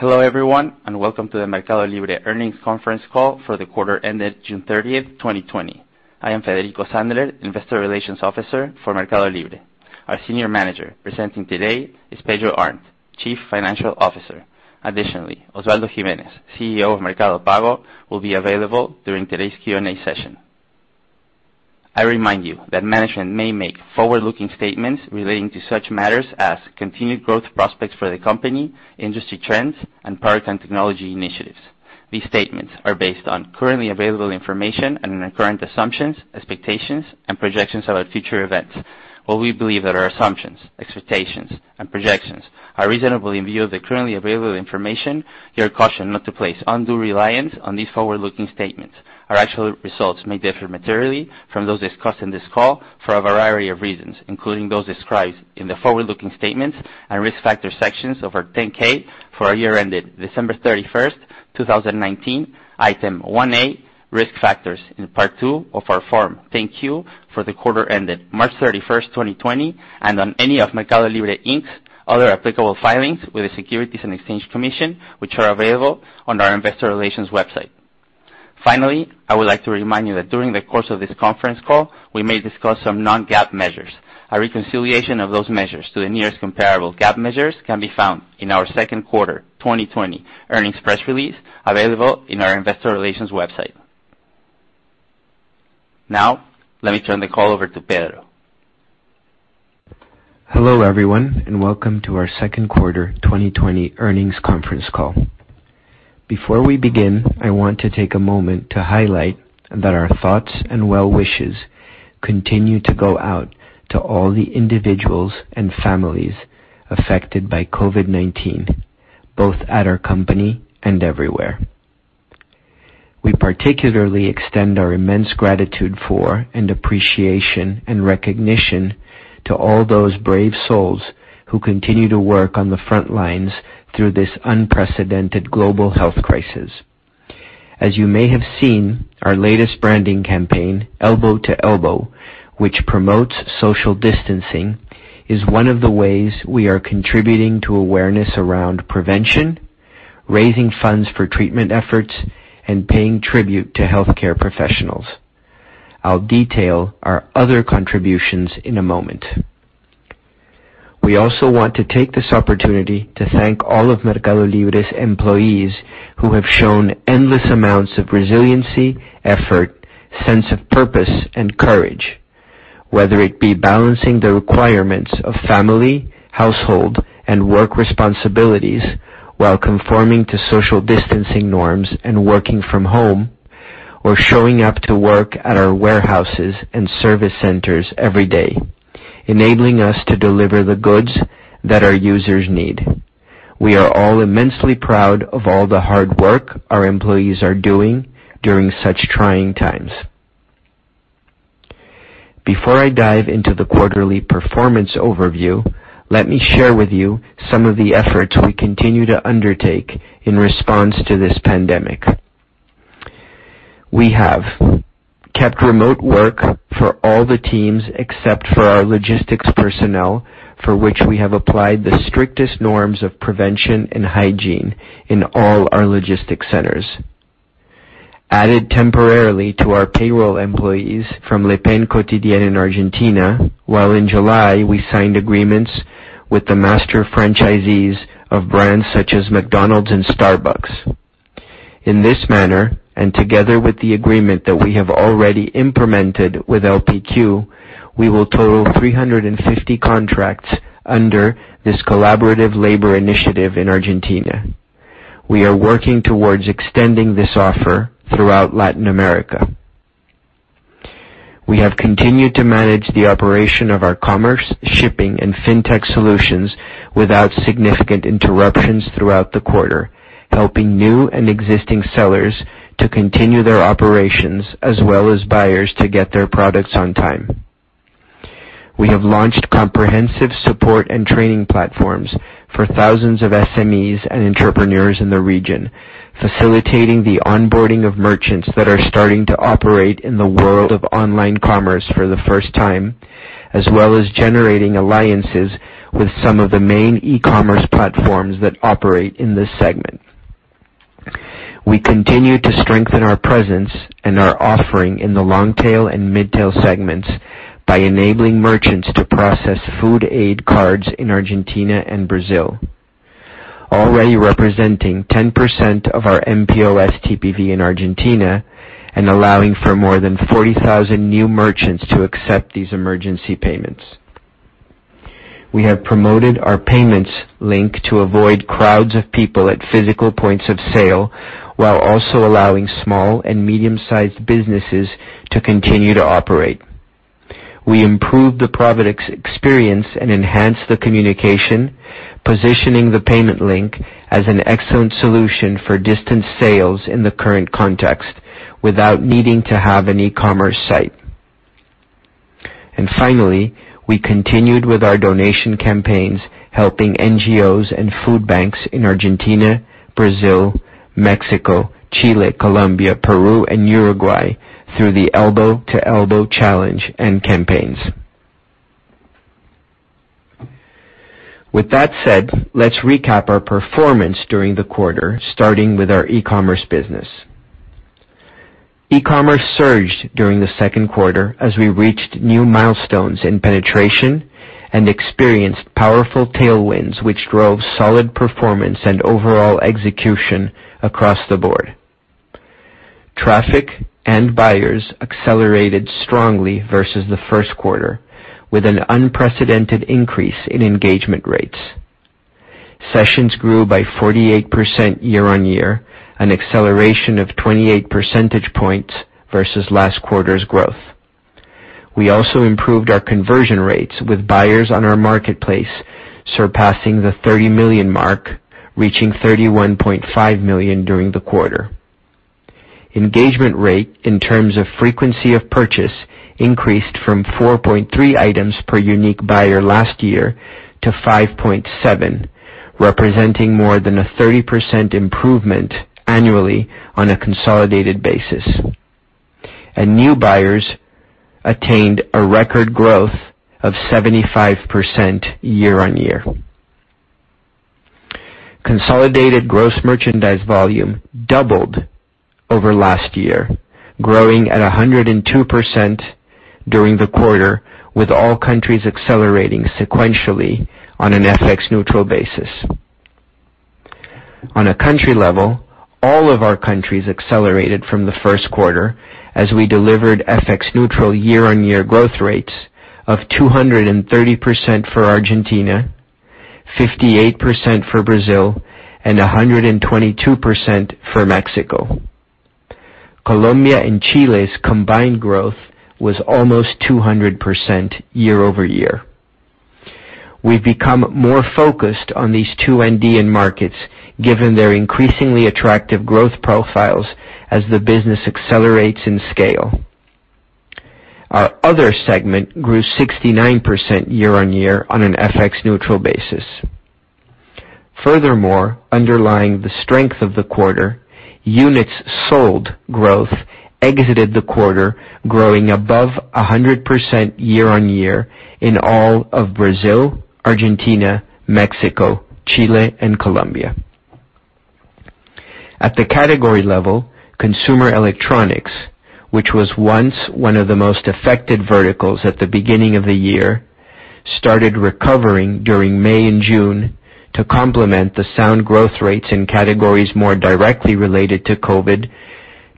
Hello, everyone, and welcome to the MercadoLibre earnings conference call for the quarter ended June 30th, 2020. I am Federico Sandler, investor relations officer for MercadoLibre. Our senior manager presenting today is Pedro Arnt, Chief Financial Officer. Additionally, Osvaldo Giménez, CEO of Mercado Pago, will be available during today's Q&A session. I remind you that management may make forward-looking statements relating to such matters as continued growth prospects for the company, industry trends, and product and technology initiatives. These statements are based on currently available information and on our current assumptions, expectations, and projections about future events. While we believe that our assumptions, expectations, and projections are reasonable in view of the currently available information, we caution you not to place undue reliance on these forward-looking statements. Our actual results may differ materially from those discussed in this call for a variety of reasons, including those described in the forward-looking statements and risk factor sections of our 10-K for our year ended December 31st, 2019, Item 1A Risk Factors in Part 2 of our Form 10-Q for the quarter ended March 31st, 2020, and on any of MercadoLibre, Inc.'s other applicable filings with the Securities and Exchange Commission, which are available on our investor relations website. Finally, I would like to remind you that during the course of this conference call, we may discuss some non-GAAP measures. A reconciliation of those measures to the nearest comparable GAAP measures can be found in our second quarter 2020 earnings press release, available on our investor relations website. Now, let me turn the call over to Pedro. Hello, everyone, and welcome to our second quarter 2020 earnings conference call. Before we begin, I want to take a moment to highlight that our thoughts and well wishes continue to go out to all the individuals and families affected by COVID-19, both at our company and everywhere. We particularly extend our immense gratitude for, and appreciation and recognition to all those brave souls who continue to work on the front lines through this unprecedented global health crisis. As you may have seen, our latest branding campaign, Elbow to Elbow, which promotes social distancing, is one of the ways we are contributing to awareness around prevention, raising funds for treatment efforts, and paying tribute to healthcare professionals. I'll detail our other contributions in a moment. We also want to take this opportunity to thank all of MercadoLibre's employees who have shown endless amounts of resiliency, effort, sense of purpose, and courage. Whether it be balancing the requirements of family, household, and work responsibilities while conforming to social distancing norms and working from home, or showing up to work at our warehouses and service centers every day, enabling us to deliver the goods that our users need. We are all immensely proud of all the hard work our employees are doing during such trying times. Before I dive into the quarterly performance overview, let me share with you some of the efforts we continue to undertake in response to this pandemic. We have kept remote work for all the teams except for our logistics personnel, for which we have applied the strictest norms of prevention and hygiene in all our logistics centers. Added temporarily to our payroll employees from Le Pain Quotidien in Argentina, while in July, we signed agreements with the master franchisees of brands such as McDonald's and Starbucks. In this manner, and together with the agreement that we have already implemented with LPQ, we will total 350 contracts under this collaborative labor initiative in Argentina. We are working towards extending this offer throughout Latin America. We have continued to manage the operation of our commerce, shipping, and fintech solutions without significant interruptions throughout the quarter, helping new and existing sellers to continue their operations as well as buyers to get their products on time. We have launched comprehensive support and training platforms for thousands of SMEs and entrepreneurs in the region, facilitating the onboarding of merchants that are starting to operate in the world of online commerce for the first time, as well as generating alliances with some of the main e-commerce platforms that operate in this segment. We continue to strengthen our presence and our offering in the long-tail and mid-tail segments by enabling merchants to process food aid cards in Argentina and Brazil, already representing 10% of our mPOS TPV in Argentina and allowing for more than 40,000 new merchants to accept these emergency payments. We have promoted our payments link to avoid crowds of people at physical points of sale while also allowing small and medium-sized businesses to continue to operate. We improved the product experience and enhanced the communication, positioning the payment link as an excellent solution for distance sales in the current context without needing to have an e-commerce site. Finally, we continued with our donation campaigns, helping NGOs and food banks in Argentina, Brazil, Mexico, Chile, Colombia, Peru, and Uruguay through the Elbow to Elbow challenge and campaigns. That said, let's recap our performance during the quarter, starting with our e-commerce business. E-commerce surged during the second quarter as we reached new milestones in penetration and experienced powerful tailwinds, which drove solid performance and overall execution across the board. Traffic and buyers accelerated strongly versus the first quarter, with an unprecedented increase in engagement rates. Sessions grew by 48% year-on-year, an acceleration of 28 percentage points versus last quarter's growth. We also improved our conversion rates with buyers on our marketplace, surpassing the 30 million mark, reaching 31.5 million during the quarter. Engagement rate in terms of frequency of purchase increased from 4.3 items per unique buyer last year to 5.7, representing more than a 30% improvement annually on a consolidated basis. New buyers attained a record growth of 75% year-on-year. Consolidated gross merchandise volume doubled over last year, growing at 102% during the quarter, with all countries accelerating sequentially on an FX neutral basis. On a country level, all of our countries accelerated from the first quarter as we delivered FX neutral year-on-year growth rates of 230% for Argentina, 58% for Brazil, and 122% for Mexico. Colombia and Chile's combined growth was almost 200% year-over-year. We've become more focused on these two Andean markets given their increasingly attractive growth profiles as the business accelerates in scale. Our other segment grew 69% year-on-year on an FX neutral basis. Underlying the strength of the quarter, units sold growth exited the quarter growing above 100% year-on-year in all of Brazil, Argentina, Mexico, Chile and Colombia. At the category level, consumer electronics, which was once one of the most affected verticals at the beginning of the year, started recovering during May and June to complement the sound growth rates in categories more directly related to COVID-19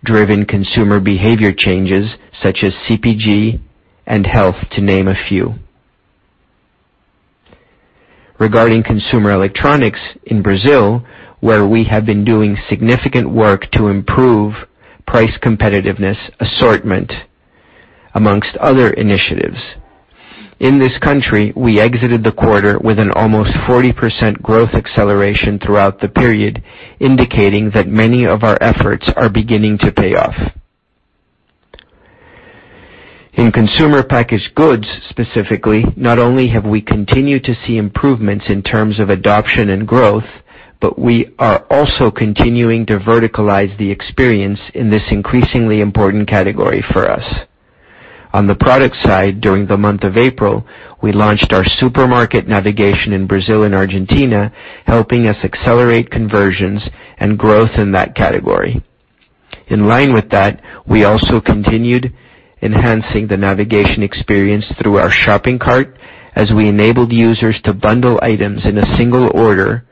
driven consumer behavior changes such as CPG and health, to name a few. Regarding consumer electronics in Brazil, where we have been doing significant work to improve price competitiveness assortment amongst other initiatives. In this country, we exited the quarter with an almost 40% growth acceleration throughout the period, indicating that many of our efforts are beginning to pay off. In consumer packaged goods, specifically, not only have we continued to see improvements in terms of adoption and growth, but we are also continuing to verticalize the experience in this increasingly important category for us. On the product side, during the month of April, we launched our supermarket navigation in Brazil and Argentina, helping us accelerate conversions and growth in that category. In line with that, we also continued enhancing the navigation experience through our shopping cart as we enabled users to bundle items in a single order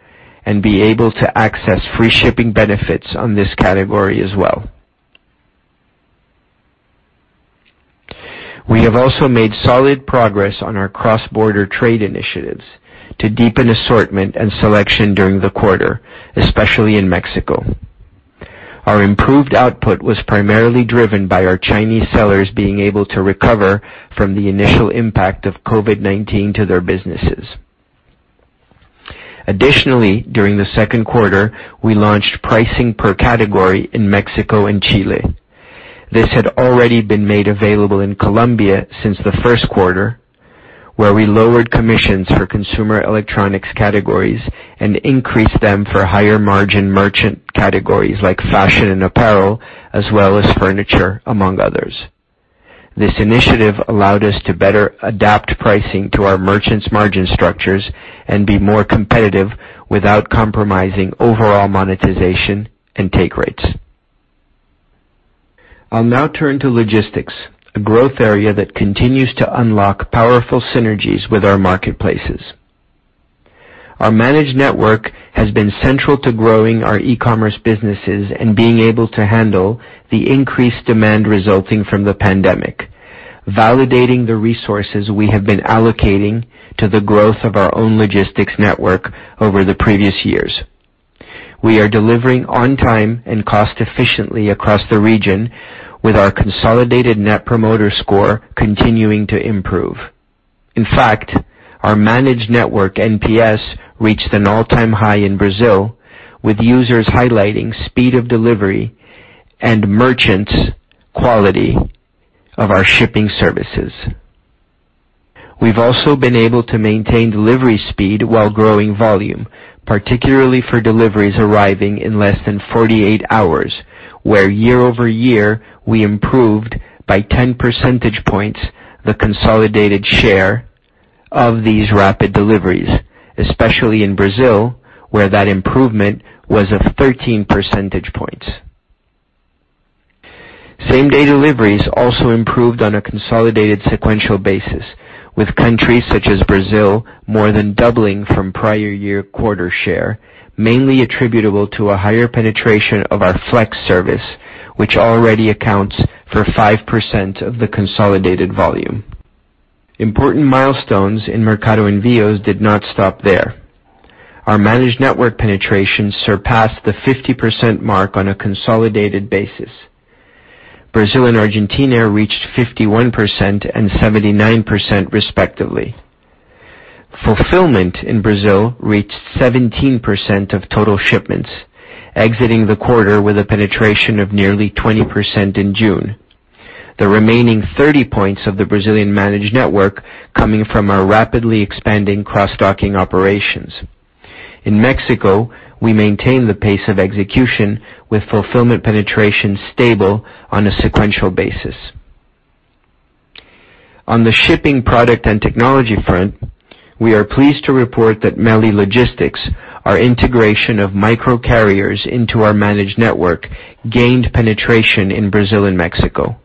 and be able to access free shipping benefits on this category as well. We have also made solid progress on our cross-border trade initiatives to deepen assortment and selection during the quarter, especially in Mexico. Our improved output was primarily driven by our Chinese sellers being able to recover from the initial impact of COVID-19 to their businesses. During the second quarter, we launched pricing per category in Mexico and Chile. This had already been made available in Colombia since the first quarter, where we lowered commissions for consumer electronics categories and increased them for higher margin merchant categories like fashion and apparel, as well as furniture, among others. This initiative allowed us to better adapt pricing to our merchants' margin structures and be more competitive without compromising overall monetization and take rates. I'll now turn to logistics, a growth area that continues to unlock powerful synergies with our marketplaces. Our Managed Network has been central to growing our e-commerce businesses and being able to handle the increased demand resulting from the pandemic, validating the resources we have been allocating to the growth of our own logistics network over the previous years. We are delivering on time and cost efficiently across the region with our consolidated Net Promoter Score continuing to improve. In fact, our Managed Network NPS reached an all-time high in Brazil, with users highlighting speed of delivery and merchants quality of our shipping services. We've also been able to maintain delivery speed while growing volume, particularly for deliveries arriving in less than 48 hours, where year-over-year, we improved by 10 percentage points the consolidated share of these rapid deliveries, especially in Brazil, where that improvement was of 13 percentage points. Same-day deliveries also improved on a consolidated sequential basis, with countries such as Brazil more than doubling from prior year quarter share, mainly attributable to a higher penetration of our Flex service, which already accounts for 5% of the consolidated volume. Important milestones in Mercado Envios did not stop there. Our Managed Network penetration surpassed the 50% mark on a consolidated basis. Brazil and Argentina reached 51% and 79% respectively. Fulfillment in Brazil reached 17% of total shipments, exiting the quarter with a penetration of nearly 20% in June. The remaining 30 points of the Brazilian Managed Network coming from our rapidly expanding cross-docking operations. In Mexico, we maintain the pace of execution with fulfillment penetration stable on a sequential basis. On the shipping product and technology front, we are pleased to report that Meli Logistics, our integration of micro-carriers into our Managed Network, gained penetration in Brazil and Mexico.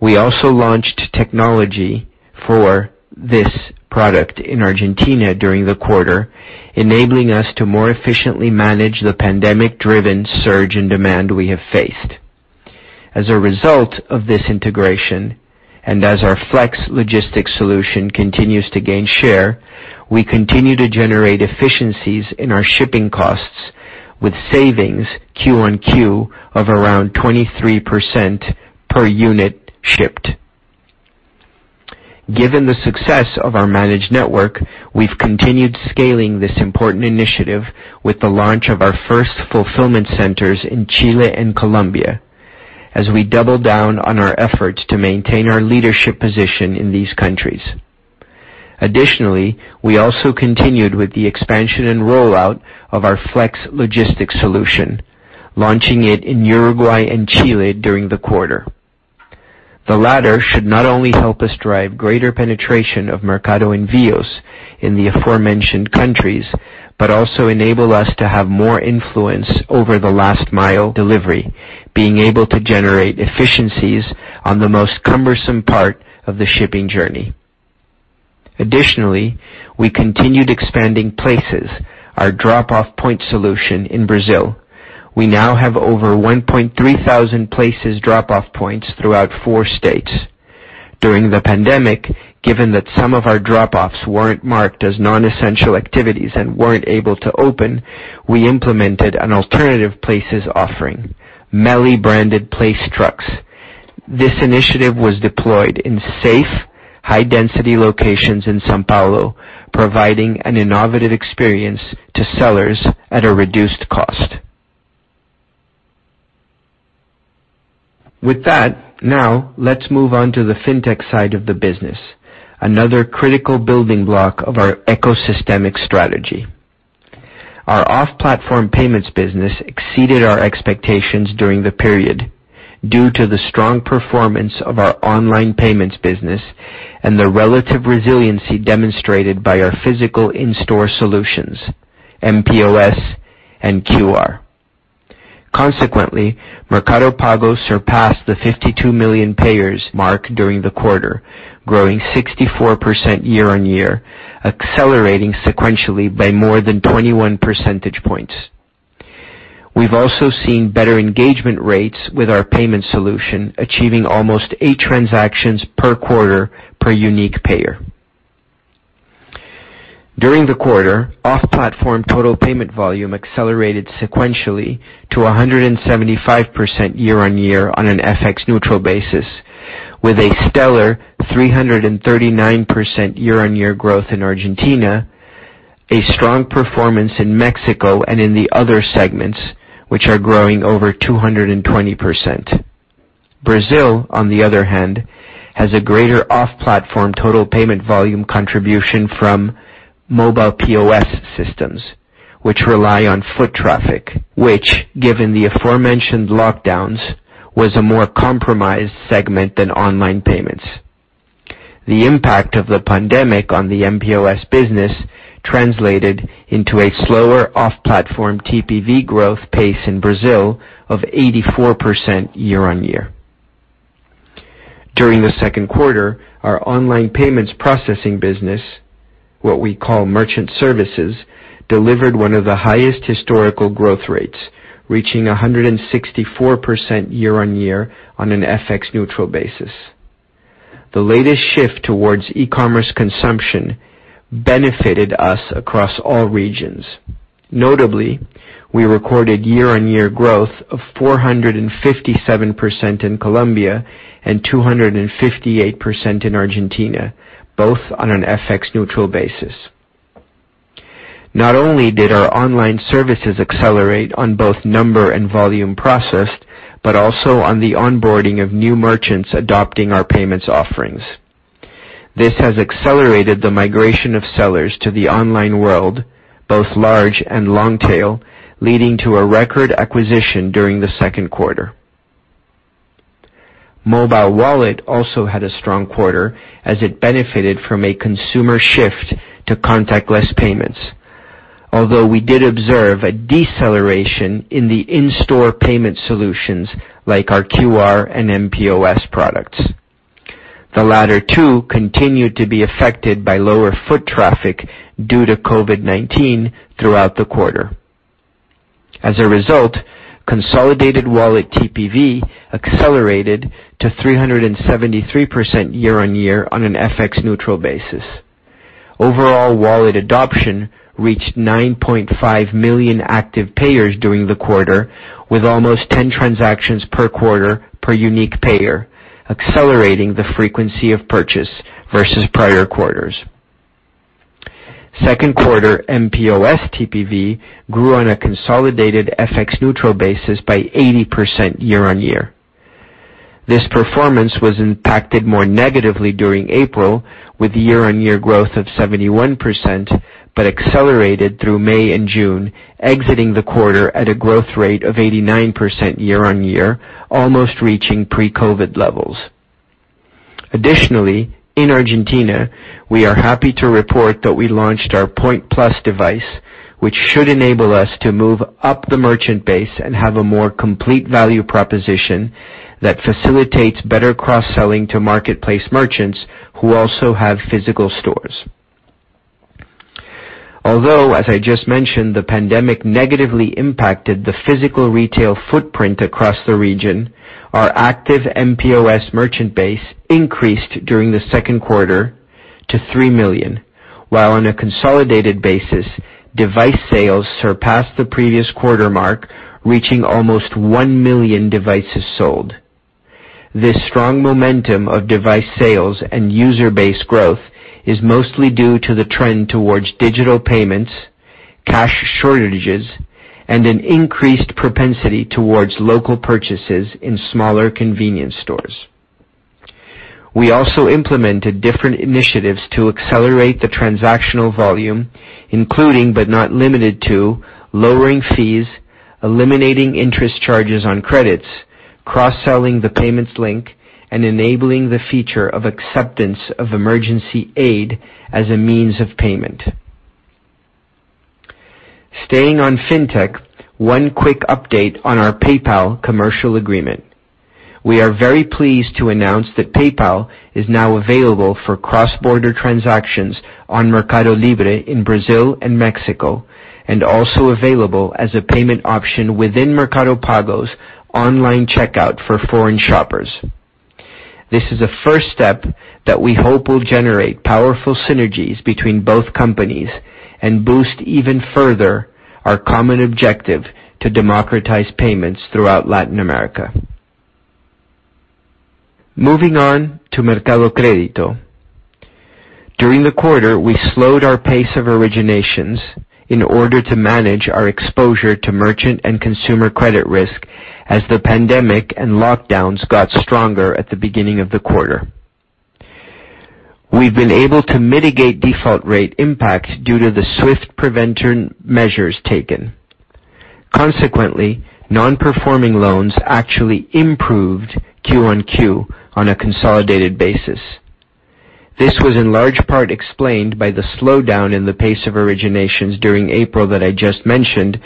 We also launched technology for this product in Argentina during the quarter, enabling us to more efficiently manage the pandemic-driven surge in demand we have faced. As a result of this integration, and as our Flex logistics solution continues to gain share, we continue to generate efficiencies in our shipping costs, with savings Q on Q of around 23% per unit shipped. Given the success of our Managed Network, we've continued scaling this important initiative with the launch of our first fulfillment centers in Chile and Colombia, as we double down on our efforts to maintain our leadership position in these countries. Additionally, we also continued with the expansion and rollout of our Flex logistics solution, launching it in Uruguay and Chile during the quarter. The latter should not only help us drive greater penetration of Mercado Envios in the aforementioned countries, but also enable us to have more influence over the last mile delivery, being able to generate efficiencies on the most cumbersome part of the shipping journey. Additionally, we continued expanding Places, our drop-off point solution in Brazil. We now have over 1,300 Places drop-off points throughout four states. During the pandemic, given that some of our drop-offs weren't marked as non-essential activities and weren't able to open, we implemented an alternative Places offering, Meli-branded Place trucks. This initiative was deployed in safe, high-density locations in São Paulo, providing an innovative experience to sellers at a reduced cost. Now let's move on to the fintech side of the business, another critical building block of our ecosystemic strategy. Our off-platform payments business exceeded our expectations during the period due to the strong performance of our online payments business and the relative resiliency demonstrated by our physical in-store solutions, mPOS and QR. Mercado Pago surpassed the 52 million payers mark during the quarter, growing 64% year-on-year, accelerating sequentially by more than 21 percentage points. We've also seen better engagement rates with our payment solution, achieving almost eight transactions per quarter per unique payer. During the quarter, off-platform total payment volume accelerated sequentially to 175% year-on-year on an FX neutral basis, with a stellar 339% year-on-year growth in Argentina, a strong performance in Mexico, and in the other segments, which are growing over 220%. Brazil, on the other hand, has a greater off-platform total payment volume contribution from mobile POS systems, which rely on foot traffic, which, given the aforementioned lockdowns, was a more compromised segment than online payments. The impact of the pandemic on the mPOS business translated into a slower off-platform TPV growth pace in Brazil of 84% year-on-year. During the second quarter, our online payments processing business, what we call merchant services, delivered one of the highest historical growth rates, reaching 164% year-over-year on an FX neutral basis. The latest shift towards e-commerce consumption benefited us across all regions. Notably, we recorded year-over-year growth of 457% in Colombia and 258% in Argentina, both on an FX neutral basis. Not only did our online services accelerate on both number and volume processed, but also on the onboarding of new merchants adopting our payments offerings. This has accelerated the migration of sellers to the online world, both large and long tail, leading to a record acquisition during the second quarter. Mobile wallet also had a strong quarter as it benefited from a consumer shift to contactless payments. Although we did observe a deceleration in the in-store payment solutions like our QR and mPOS products. The latter two continued to be affected by lower foot traffic due to COVID-19 throughout the quarter. As a result, consolidated wallet TPV accelerated to 373% year-on-year on an FX neutral basis. Overall wallet adoption reached 9.5 million active payers during the quarter, with almost 10 transactions per quarter per unique payer, accelerating the frequency of purchase versus prior quarters. Second quarter mPOS TPV grew on a consolidated FX neutral basis by 80% year-on-year. This performance was impacted more negatively during April with year-on-year growth of 71%, but accelerated through May and June, exiting the quarter at a growth rate of 89% year-on-year, almost reaching pre-COVID levels. Additionally, in Argentina, we are happy to report that we launched our Point Plus device, which should enable us to move up the merchant base and have a more complete value proposition that facilitates better cross-selling to marketplace merchants who also have physical stores. Although, as I just mentioned, the pandemic negatively impacted the physical retail footprint across the region, our active mPOS merchant base increased during the second quarter to 3 million, while on a consolidated basis, device sales surpassed the previous quarter mark, reaching almost 1 million devices sold. This strong momentum of device sales and user base growth is mostly due to the trend towards digital payments, cash shortages, and an increased propensity towards local purchases in smaller convenience stores. We also implemented different initiatives to accelerate the transactional volume, including but not limited to lowering fees, eliminating interest charges on credits, cross-selling the payments link, and enabling the feature of acceptance of emergency aid as a means of payment. Staying on fintech, one quick update on our PayPal commercial agreement. We are very pleased to announce that PayPal is now available for cross-border transactions on MercadoLibre in Brazil and Mexico, and also available as a payment option within Mercado Pago's online checkout for foreign shoppers. This is a first step that we hope will generate powerful synergies between both companies and boost even further our common objective to democratize payments throughout Latin America. Moving on to Mercado Crédito. During the quarter, we slowed our pace of originations in order to manage our exposure to merchant and consumer credit risk as the pandemic and lockdowns got stronger at the beginning of the quarter. We've been able to mitigate default rate impact due to the swift preventive measures taken. Consequently, non-performing loans actually improved Q-o-Q on a consolidated basis. This was in large part explained by the slowdown in the pace of originations during April that I just mentioned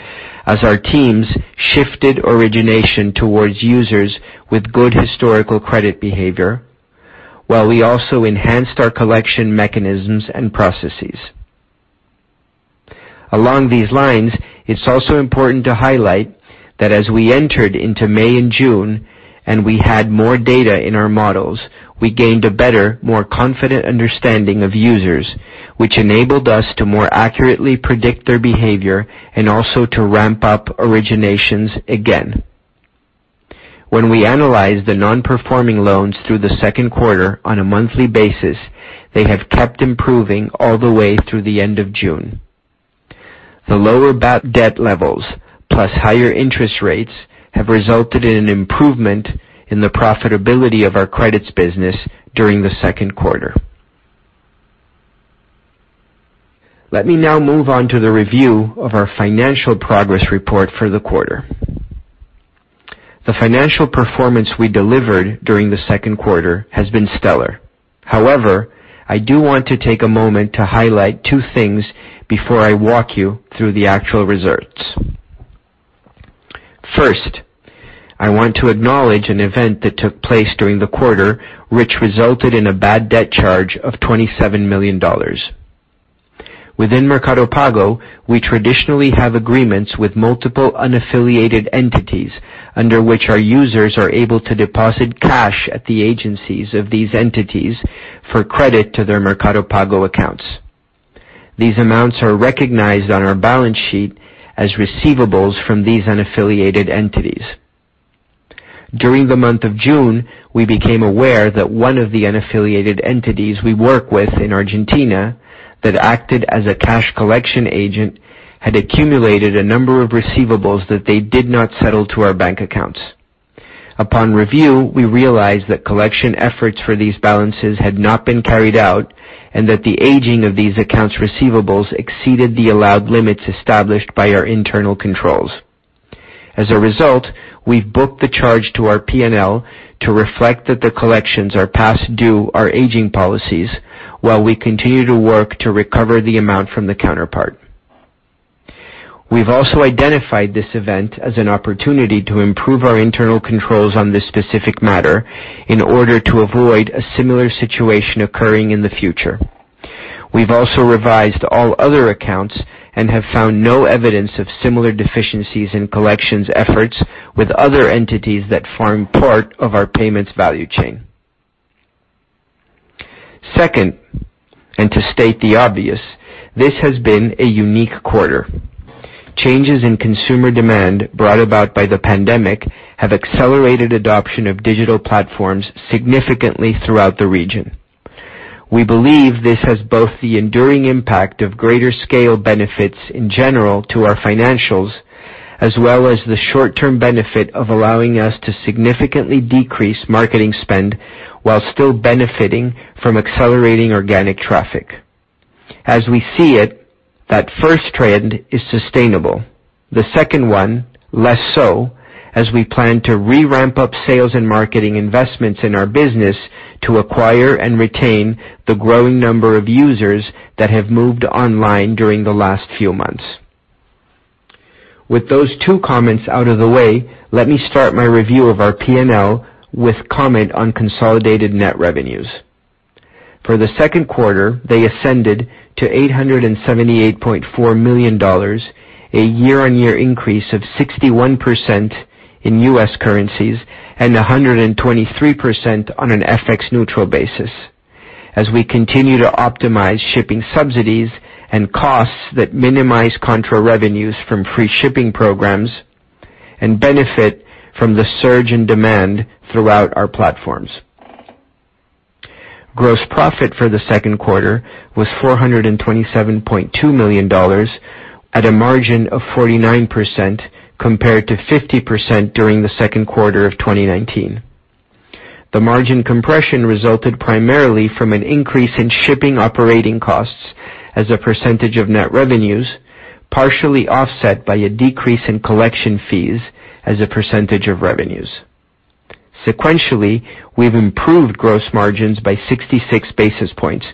as our teams shifted origination towards users with good historical credit behavior, while we also enhanced our collection mechanisms and processes. Along these lines, it's also important to highlight that as we entered into May and June, and we had more data in our models, we gained a better, more confident understanding of users, which enabled us to more accurately predict their behavior and also to ramp up originations again. When we analyze the non-performing loans through the second quarter on a monthly basis, they have kept improving all the way through the end of June. The lower bad debt levels plus higher interest rates have resulted in an improvement in the profitability of our credits business during the second quarter. Let me now move on to the review of our financial progress report for the quarter. The financial performance we delivered during the second quarter has been stellar. However, I do want to take a moment to highlight two things before I walk you through the actual results. First, I want to acknowledge an event that took place during the quarter, which resulted in a bad debt charge of $27 million. Within Mercado Pago, we traditionally have agreements with multiple unaffiliated entities, under which our users are able to deposit cash at the agencies of these entities for credit to their Mercado Pago accounts. These amounts are recognized on our balance sheet as receivables from these unaffiliated entities. During the month of June, we became aware that one of the unaffiliated entities we work with in Argentina that acted as a cash collection agent had accumulated a number of receivables that they did not settle to our bank accounts. Upon review, we realized that collection efforts for these balances had not been carried out and that the aging of these accounts receivables exceeded the allowed limits established by our internal controls. As a result, we've booked the charge to our P&L to reflect that the collections are past due our aging policies while we continue to work to recover the amount from the counterpart. We've also identified this event as an opportunity to improve our internal controls on this specific matter in order to avoid a similar situation occurring in the future. We've also revised all other accounts and have found no evidence of similar deficiencies in collections efforts with other entities that form part of our payments value chain. Second, and to state the obvious, this has been a unique quarter. Changes in consumer demand brought about by the pandemic have accelerated adoption of digital platforms significantly throughout the region. We believe this has both the enduring impact of greater scale benefits in general to our financials, as well as the short-term benefit of allowing us to significantly decrease marketing spend while still benefiting from accelerating organic traffic. As we see it, that first trend is sustainable. The second one, less so, as we plan to re-ramp up sales and marketing investments in our business to acquire and retain the growing number of users that have moved online during the last few months. With those two comments out of the way, let me start my review of our P&L with comment on consolidated net revenues. For the second quarter, they ascended to $878.4 million, a year-on-year increase of 61% in U.S. currencies and 123% on an FX neutral basis. As we continue to optimize shipping subsidies and costs that minimize contra revenues from free shipping programs and benefit from the surge in demand throughout our platforms. Gross profit for the second quarter was $427.2 million at a margin of 49%, compared to 50% during the second quarter of 2019. The margin compression resulted primarily from an increase in shipping operating costs as a percentage of net revenues, partially offset by a decrease in collection fees as a percentage of revenues. Sequentially, we've improved gross margins by 66 basis points,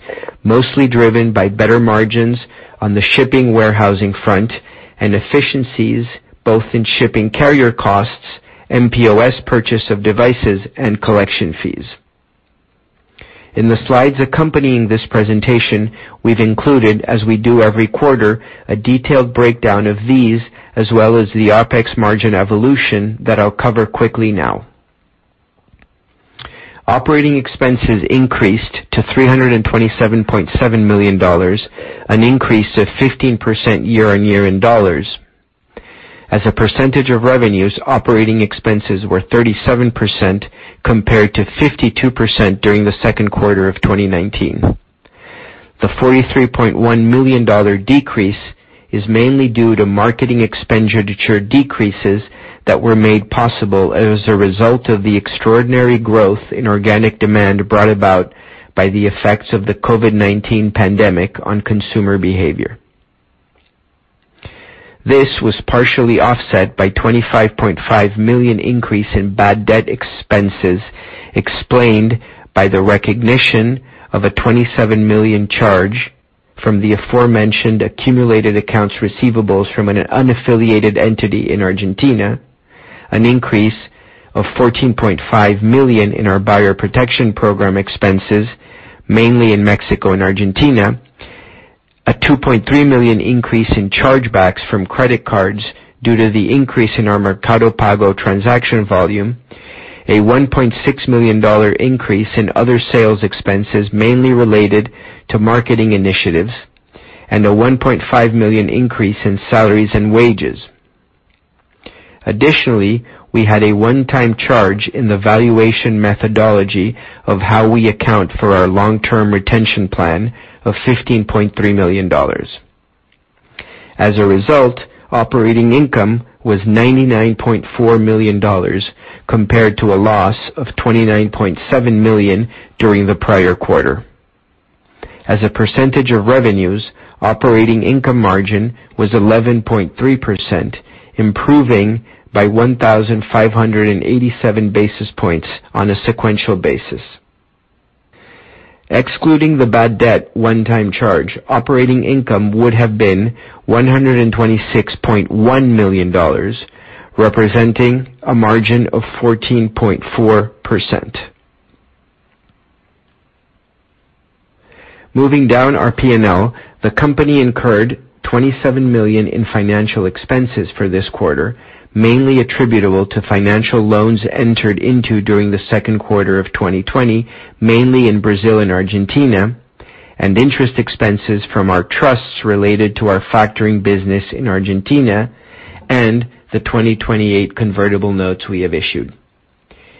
mostly driven by better margins on the shipping warehousing front and efficiencies both in shipping carrier costs and POS purchase of devices and collection fees. In the slides accompanying this presentation, we've included, as we do every quarter, a detailed breakdown of these, as well as the OPEX margin evolution that I'll cover quickly now. Operating expenses increased to $327.7 million, an increase of 15% year-over-year in dollars. As a percentage of revenues, operating expenses were 37% compared to 52% during the second quarter of 2019. The $43.1 million decrease is mainly due to marketing expenditure decreases that were made possible as a result of the extraordinary growth in organic demand brought about by the effects of the COVID-19 pandemic on consumer behavior. This was partially offset by $25.5 million increase in bad debt expenses, explained by the recognition of a $27 million charge from the aforementioned accumulated accounts receivables from an unaffiliated entity in Argentina. An increase of $14.5 million in our buyer protection program expenses, mainly in Mexico and Argentina. A $2.3 million increase in charge-backs from credit cards due to the increase in our Mercado Pago transaction volume, a $1.6 million increase in other sales expenses mainly related to marketing initiatives, and a $1.5 million increase in salaries and wages. Additionally, we had a one-time charge in the valuation methodology of how we account for our long-term retention plan of $15.3 million. As a result, operating income was $99.4 million, compared to a loss of $29.7 million during the prior quarter. As a percentage of revenues, operating income margin was 11.3%, improving by 1,587 basis points on a sequential basis. Excluding the bad debt one-time charge, operating income would have been $126.1 million, representing a margin of 14.4%. Moving down our P&L, the company incurred $27 million in financial expenses for this quarter, mainly attributable to financial loans entered into during the second quarter of 2020, mainly in Brazil and Argentina, and interest expenses from our trusts related to our factoring business in Argentina and the 2028 convertible notes we have issued.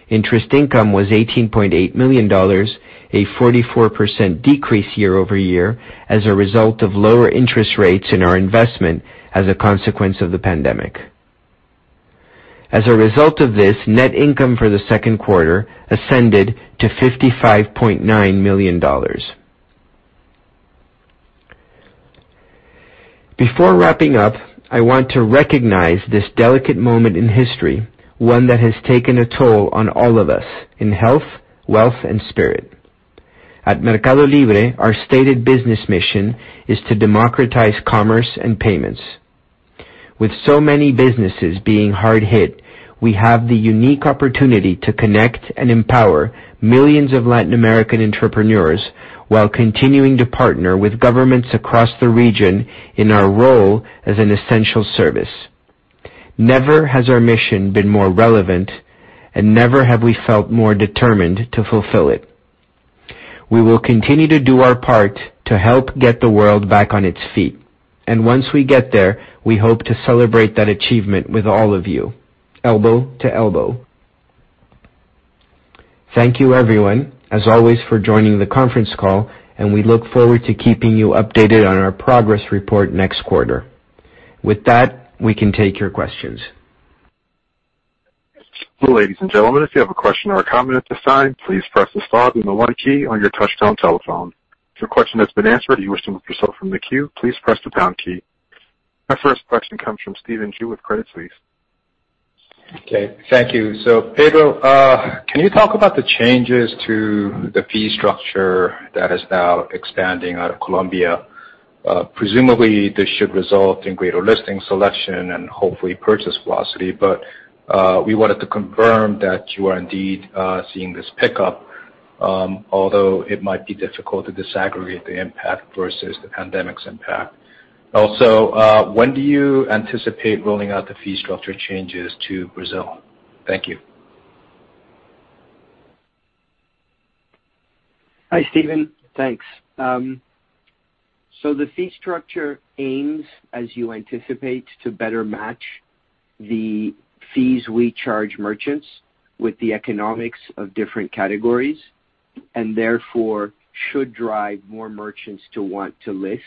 Interest income was $18.8 million, a 44% decrease year-over-year as a result of lower interest rates in our investment as a consequence of COVID-19. As a result of this, net income for the second quarter ascended to $55.9 million. Before wrapping up, I want to recognize this delicate moment in history, one that has taken a toll on all of us in health, wealth, and spirit. At MercadoLibre, our stated business mission is to democratize commerce and payments. With so many businesses being hard hit, we have the unique opportunity to connect and empower millions of Latin American entrepreneurs while continuing to partner with governments across the region in our role as an essential service. Never has our mission been more relevant, and never have we felt more determined to fulfill it. We will continue to do our part to help get the world back on its feet, and once we get there, we hope to celebrate that achievement with all of you, Elbow to Elbow. Thank you everyone, as always, for joining the conference call, and we look forward to keeping you updated on our progress report next quarter. With that, we can take your questions. Our first question comes from Stephen Ju with Credit Suisse. Okay. Thank you. Pedro, can you talk about the changes to the fee structure that is now expanding out of Colombia? Presumably, this should result in greater listing selection and hopefully purchase velocity, but we wanted to confirm that you are indeed seeing this pickup, although it might be difficult to disaggregate the impact versus the pandemic's impact. Also, when do you anticipate rolling out the fee structure changes to Brazil? Thank you. Hi, Stephen. Thanks. The fee structure aims, as you anticipate, to better match the fees we charge merchants with the economics of different categories, and therefore should drive more merchants to want to list.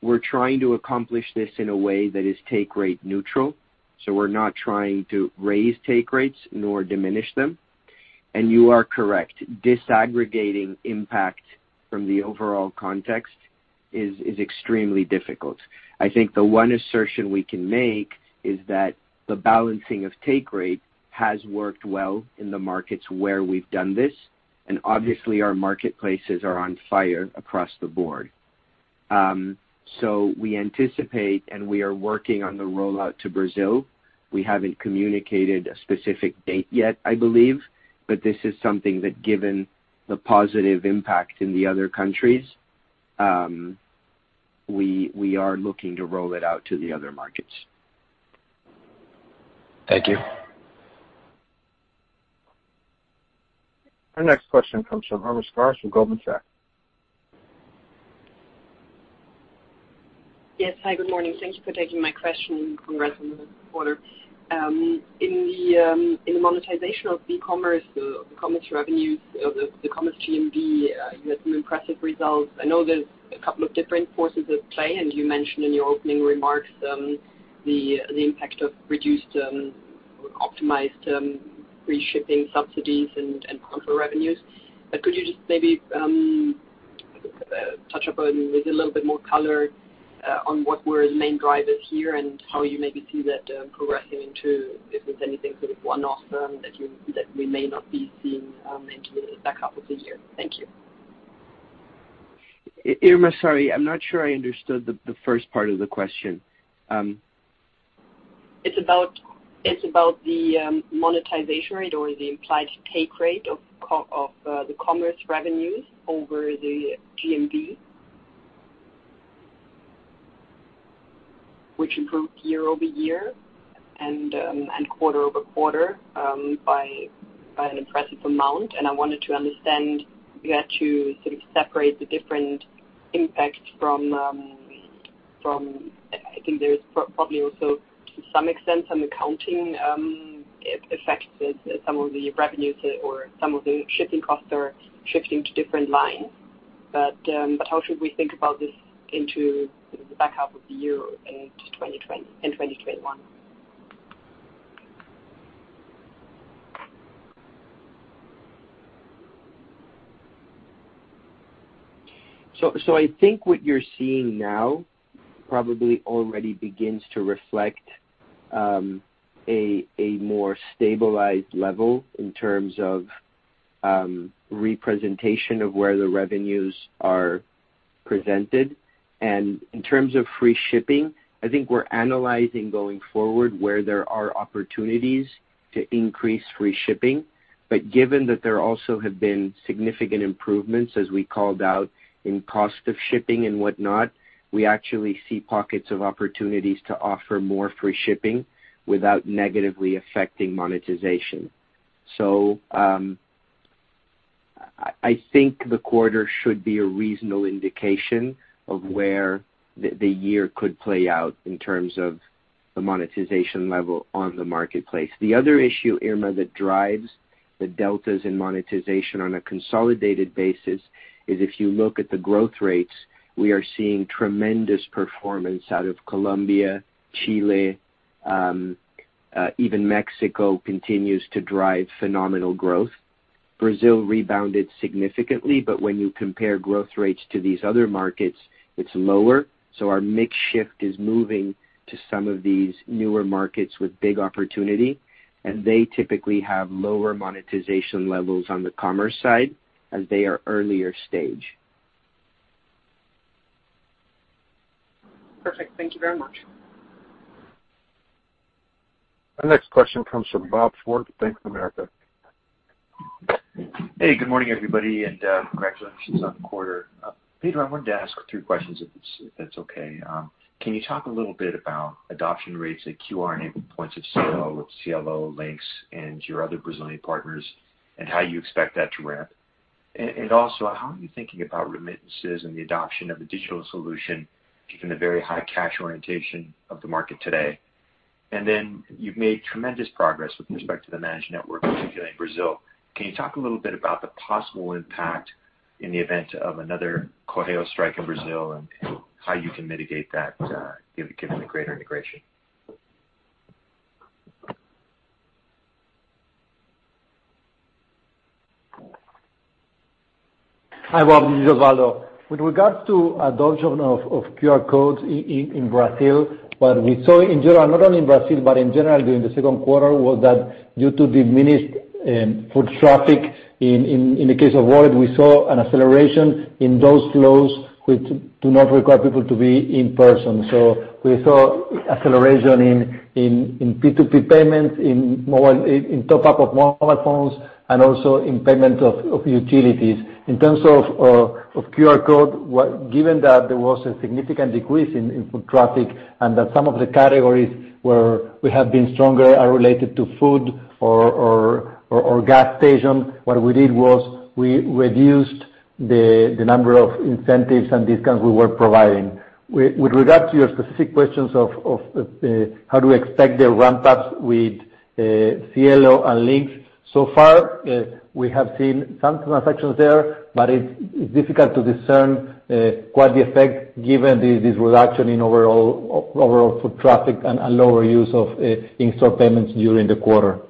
We're trying to accomplish this in a way that is take rate neutral, so we're not trying to raise take rates nor diminish them. You are correct, disaggregating impact from the overall context is extremely difficult. I think the one assertion we can make is that the balancing of take rate has worked well in the markets where we've done this, and obviously our marketplaces are on fire across the board. We anticipate and we are working on the rollout to Brazil. We haven't communicated a specific date yet, I believe, but this is something that, given the positive impact in the other countries, we are looking to roll it out to the other markets. Thank you. Our next question comes from Irma Sgarz from Goldman Sachs. Yes. Hi, good morning. Thank you for taking my question, and congrats on the quarter. In the monetization of e-commerce, the commerce revenues of the commerce GMV, you had some impressive results. I know there's a couple of different forces at play, and you mentioned in your opening remarks, the impact of reduced, optimized free shipping subsidies and contra revenues. Could you just maybe touch upon with a little bit more color, on what were the main drivers here and how you maybe see that progressing into, if there's anything sort of one-off that we may not be seeing, into the back half of the year? Thank you. Irma, sorry. I'm not sure I understood the first part of the question. It's about the monetization rate or the implied take rate of the commerce revenues over the GMV, which improved year-over-year and quarter-over-quarter, by an impressive amount. I wanted to understand, you had to sort of separate the different impacts from I think there's probably also, to some extent, some accounting effects that some of the revenues or some of the shipping costs are shifting to different lines. How should we think about this into the back half of the year in 2020 and 2021? I think what you're seeing now probably already begins to reflect a more stabilized level in terms of representation of where the revenues are presented. In terms of free shipping, I think we're analyzing going forward where there are opportunities to increase free shipping. Given that there also have been significant improvements, as we called out in cost of shipping and whatnot, we actually see pockets of opportunities to offer more free shipping without negatively affecting monetization. I think the quarter should be a reasonable indication of where the year could play out in terms of the monetization level on the marketplace. The other issue, Irma, that drives the deltas in monetization on a consolidated basis is if you look at the growth rates, we are seeing tremendous performance out of Colombia, Chile, even Mexico continues to drive phenomenal growth. Brazil rebounded significantly, but when you compare growth rates to these other markets, it's lower. Our mix shift is moving to some of these newer markets with big opportunity, and they typically have lower monetization levels on the commerce side as they are earlier stage. Perfect. Thank you very much. Our next question comes from Bob Ford with Bank of America. Hey, good morning, everybody, and congratulations on the quarter. Pedro, I wanted to ask two questions, if that's okay. Can you talk a little bit about adoption rates at QR-enabled points of sale with Cielo, Linx, and your other Brazilian partners, and how you expect that to ramp? Also, how are you thinking about remittances and the adoption of a digital solution, given the very high cash orientation of the market today? Then you've made tremendous progress with respect to the Managed Network, particularly in Brazil. Can you talk a little bit about the possible impact in the event of another Correios strike in Brazil and how you can mitigate that given the greater integration? Hi, Bob, this is Osvaldo. With regards to adoption of QR codes in Brazil, what we saw in general, not only in Brazil but in general during the second quarter, was that due to diminished foot traffic in the case of wallet, we saw an acceleration in those flows which do not require people to be in person. We saw acceleration in P2P payments, in top-up of mobile phones, and also in payment of utilities. In terms of QR code, given that there was a significant decrease in foot traffic and that some of the categories where we have been stronger are related to food or gas station, what we did was we reduced the number of incentives and discounts we were providing. With regard to your specific questions of how do we expect the ramp-ups with Cielo and Linx, so far we have seen some transactions there, but it's difficult to discern what the effect given this reduction in overall foot traffic and lower use of in-store payments during the quarter.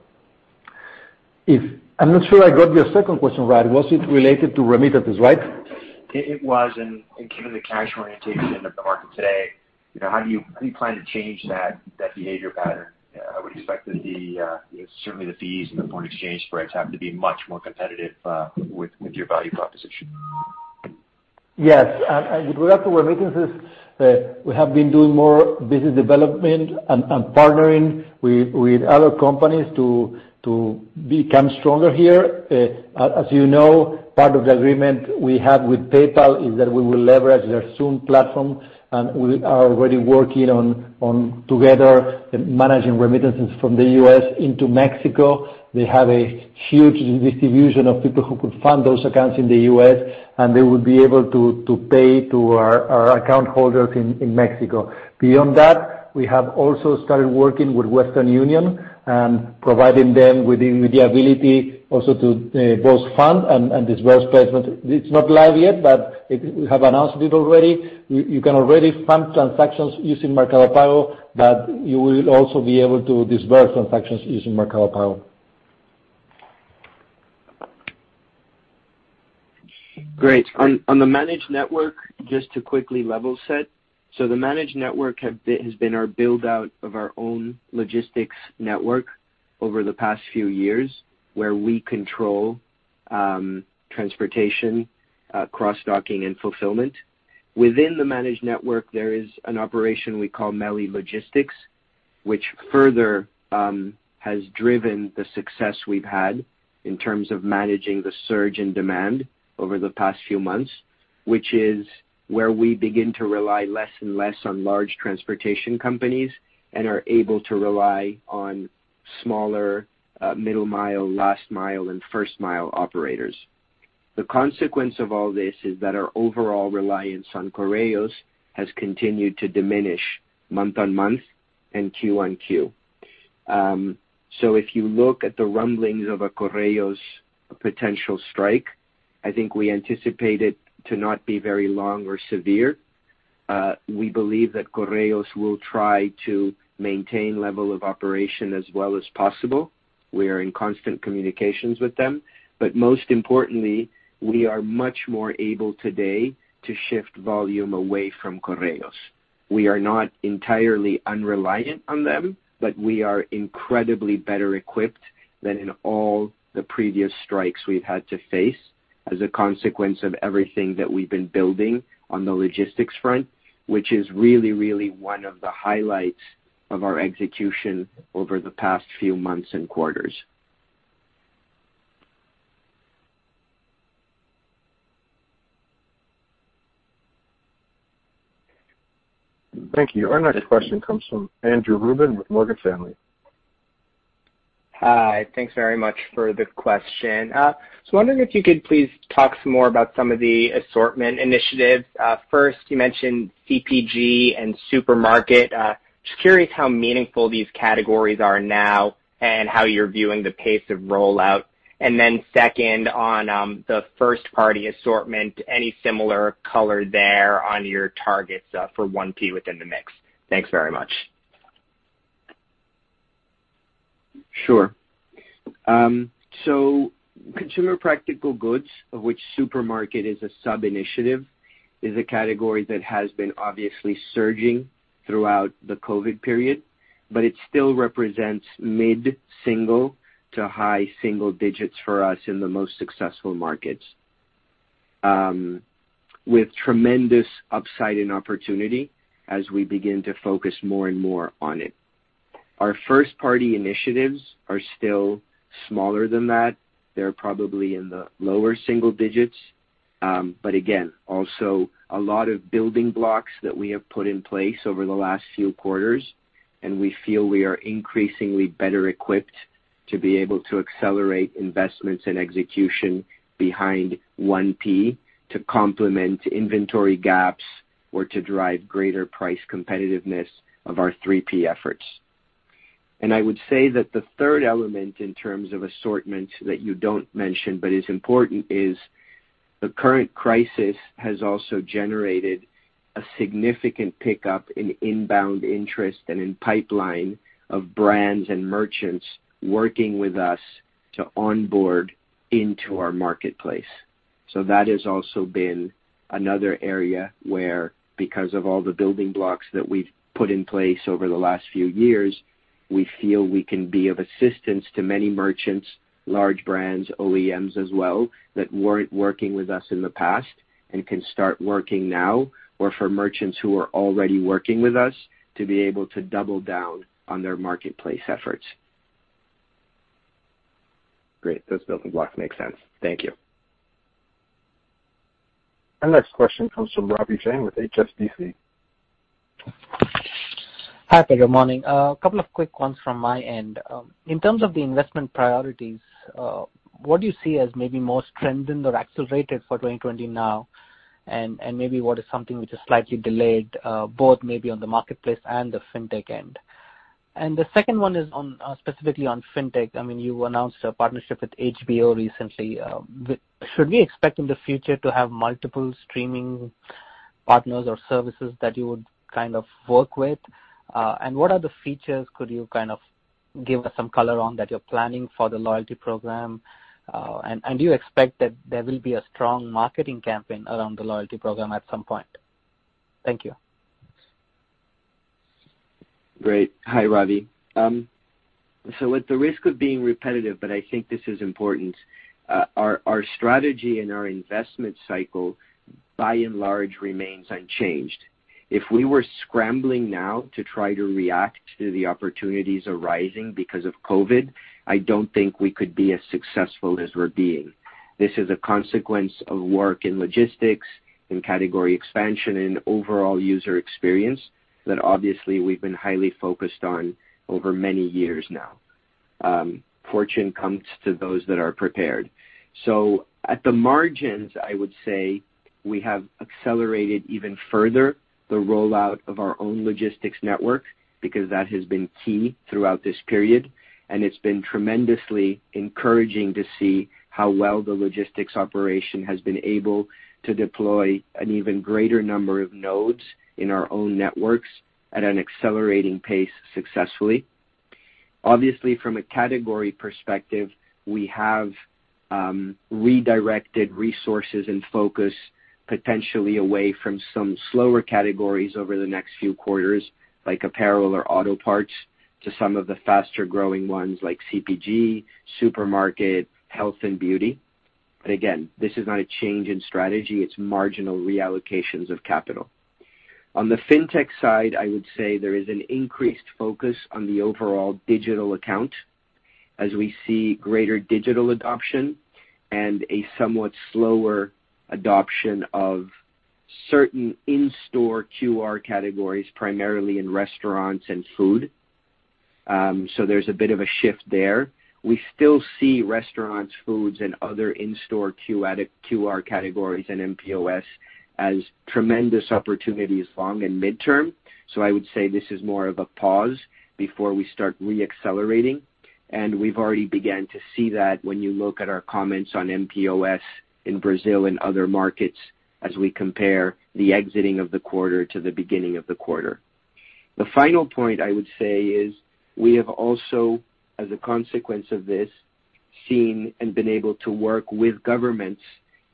I'm not sure I got your second question right. Was it related to remittances, right? Given the cash orientation of the market today, how do you plan to change that behavior pattern? I would expect that certainly the fees and the foreign exchange spreads have to be much more competitive with your value proposition. Yes. With regard to remittances, we have been doing more business development and partnering with other companies to become stronger here. As you know, part of the agreement we have with PayPal is that we will leverage their Xoom platform, and we are already working on together managing remittances from the U.S. into Mexico. They have a huge distribution of people who could fund those accounts in the U.S., and they would be able to pay to our account holders in Mexico. Beyond that, we have also started working with Western Union and providing them with the ability also to both fund and disperse payments. It's not live yet, but we have announced it already. You can already fund transactions using Mercado Pago, but you will also be able to disperse transactions using Mercado Pago. Great. On the Managed Network, just to quickly level set. The Managed Network has been our build-out of our own logistics network over the past few years, where we control transportation, cross-docking, and fulfillment. Within the Managed Network, there is an operation we call Meli Logistics, which further has driven the success we've had in terms of managing the surge in demand over the past few months, which is where we begin to rely less and less on large transportation companies and are able to rely on smaller middle-mile, last-mile, and first-mile operators. The consequence of all this is that our overall reliance on Correios has continued to diminish month-on-month and Q-on-Q. If you look at the rumblings of a Correios potential strike, I think we anticipate it to not be very long or severe. We believe that Correios will try to maintain level of operation as well as possible. We are in constant communications with them. Most importantly, we are much more able today to shift volume away from Correios. We are not entirely unreliant on them, but we are incredibly better equipped than in all the previous strikes we've had to face as a consequence of everything that we've been building on the logistics front, which is really one of the highlights of our execution over the past few months and quarters. Thank you. Our next question comes from Andrew Rubin with Morgan Stanley. Hi. Thanks very much for the question. Just wondering if you could please talk some more about some of the assortment initiatives. First, you mentioned CPG and supermarket. Just curious how meaningful these categories are now and how you're viewing the pace of rollout. Second, on the first-party assortment, any similar color there on your targets for 1P within the mix? Thanks very much. Sure. Consumer practical goods, of which supermarket is a sub-initiative, is a category that has been obviously surging throughout the COVID-19 period, but it still represents mid-single to high single digits for us in the most successful markets, with tremendous upside and opportunity as we begin to focus more and more on it. Our first-party initiatives are still smaller than that. They're probably in the lower single digits. Again, also a lot of building blocks that we have put in place over the last few quarters, and we feel we are increasingly better equipped to be able to accelerate investments and execution behind 1P to complement inventory gaps or to drive greater price competitiveness of our 3P efforts. I would say that the third element in terms of assortments that you don't mention but is important is the current crisis has also generated a significant pickup in inbound interest and in pipeline of brands and merchants working with us to onboard into our marketplace. That has also been another area where, because of all the building blocks that we've put in place over the last few years, we feel we can be of assistance to many merchants, large brands, OEMs as well, that weren't working with us in the past and can start working now, or for merchants who are already working with us to be able to double down on their marketplace efforts. Great. Those building blocks make sense. Thank you. Our next question comes from Ravi Jain with HSBC. Hi, Pedro. Morning. A couple of quick ones from my end. In terms of the investment priorities, what do you see as maybe most strengthened or accelerated for 2020 now, and maybe what is something which is slightly delayed, both maybe on the marketplace and the fintech end? The second one is specifically on fintech. You announced a partnership with HBO recently. Should we expect in the future to have multiple streaming partners or services that you would work with? What are the features could you give us some color on that you're planning for the loyalty program? Do you expect that there will be a strong marketing campaign around the loyalty program at some point? Thank you. Great. Hi, Ravi. At the risk of being repetitive, but I think this is important. Our strategy and our investment cycle by and large remains unchanged. If we were scrambling now to try to react to the opportunities arising because of COVID-19, I don't think we could be as successful as we're being. This is a consequence of work in logistics, in category expansion, in overall user experience that obviously we've been highly focused on over many years now. Fortune comes to those that are prepared. At the margins, I would say we have accelerated even further the rollout of our own logistics network, because that has been key throughout this period, and it's been tremendously encouraging to see how well the logistics operation has been able to deploy an even greater number of nodes in our own networks at an accelerating pace successfully. Obviously, from a category perspective, we have redirected resources and focus potentially away from some slower categories over the next few quarters, like apparel or auto parts, to some of the faster-growing ones like CPG, supermarket, health and beauty. Again, this is not a change in strategy. It's marginal reallocations of capital. On the fintech side, I would say there is an increased focus on the overall digital account as we see greater digital adoption and a somewhat slower adoption of certain in-store QR categories, primarily in restaurants and food. There's a bit of a shift there. We still see restaurants, foods, and other in-store QR categories and mPOS as tremendous opportunities long and mid-term. I would say this is more of a pause before we start re-accelerating, and we've already began to see that when you look at our comments on mPOS in Brazil and other markets as we compare the exiting of the quarter to the beginning of the quarter. The final point I would say is we have also, as a consequence of this, seen and been able to work with governments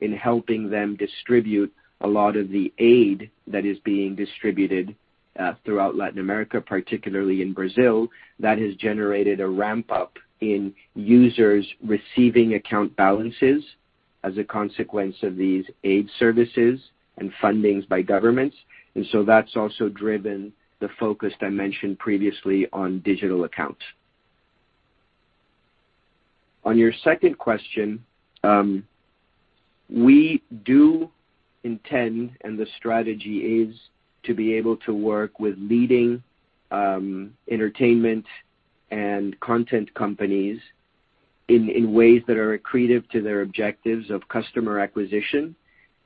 in helping them distribute a lot of the aid that is being distributed throughout Latin America, particularly in Brazil. That has generated a ramp-up in users receiving account balances as a consequence of these aid services and fundings by governments. That's also driven the focus I mentioned previously on digital accounts. On your second question, we do intend, and the strategy is to be able to work with leading entertainment and content companies in ways that are accretive to their objectives of customer acquisition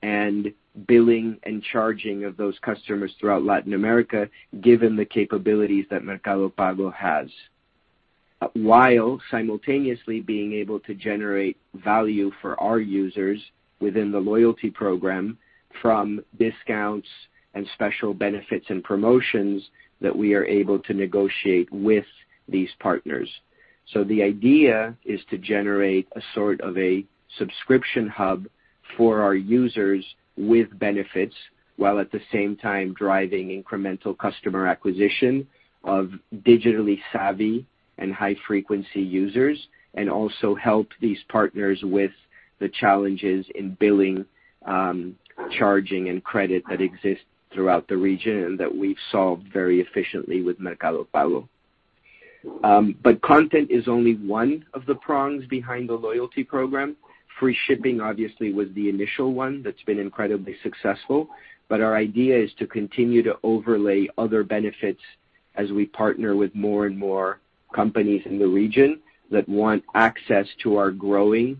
and billing and charging of those customers throughout Latin America, given the capabilities that Mercado Pago has. While simultaneously being able to generate value for our users within the loyalty program from discounts and special benefits and promotions that we are able to negotiate with these partners. The idea is to generate a sort of a subscription hub for our users with benefits, while at the same time driving incremental customer acquisition of digitally savvy and high-frequency users, and also help these partners with the challenges in billing, charging, and credit that exist throughout the region, and that we've solved very efficiently with Mercado Pago. Content is only one of the prongs behind the loyalty program. Free shipping, obviously, was the initial one that's been incredibly successful. Our idea is to continue to overlay other benefits as we partner with more and more companies in the region that want access to our growing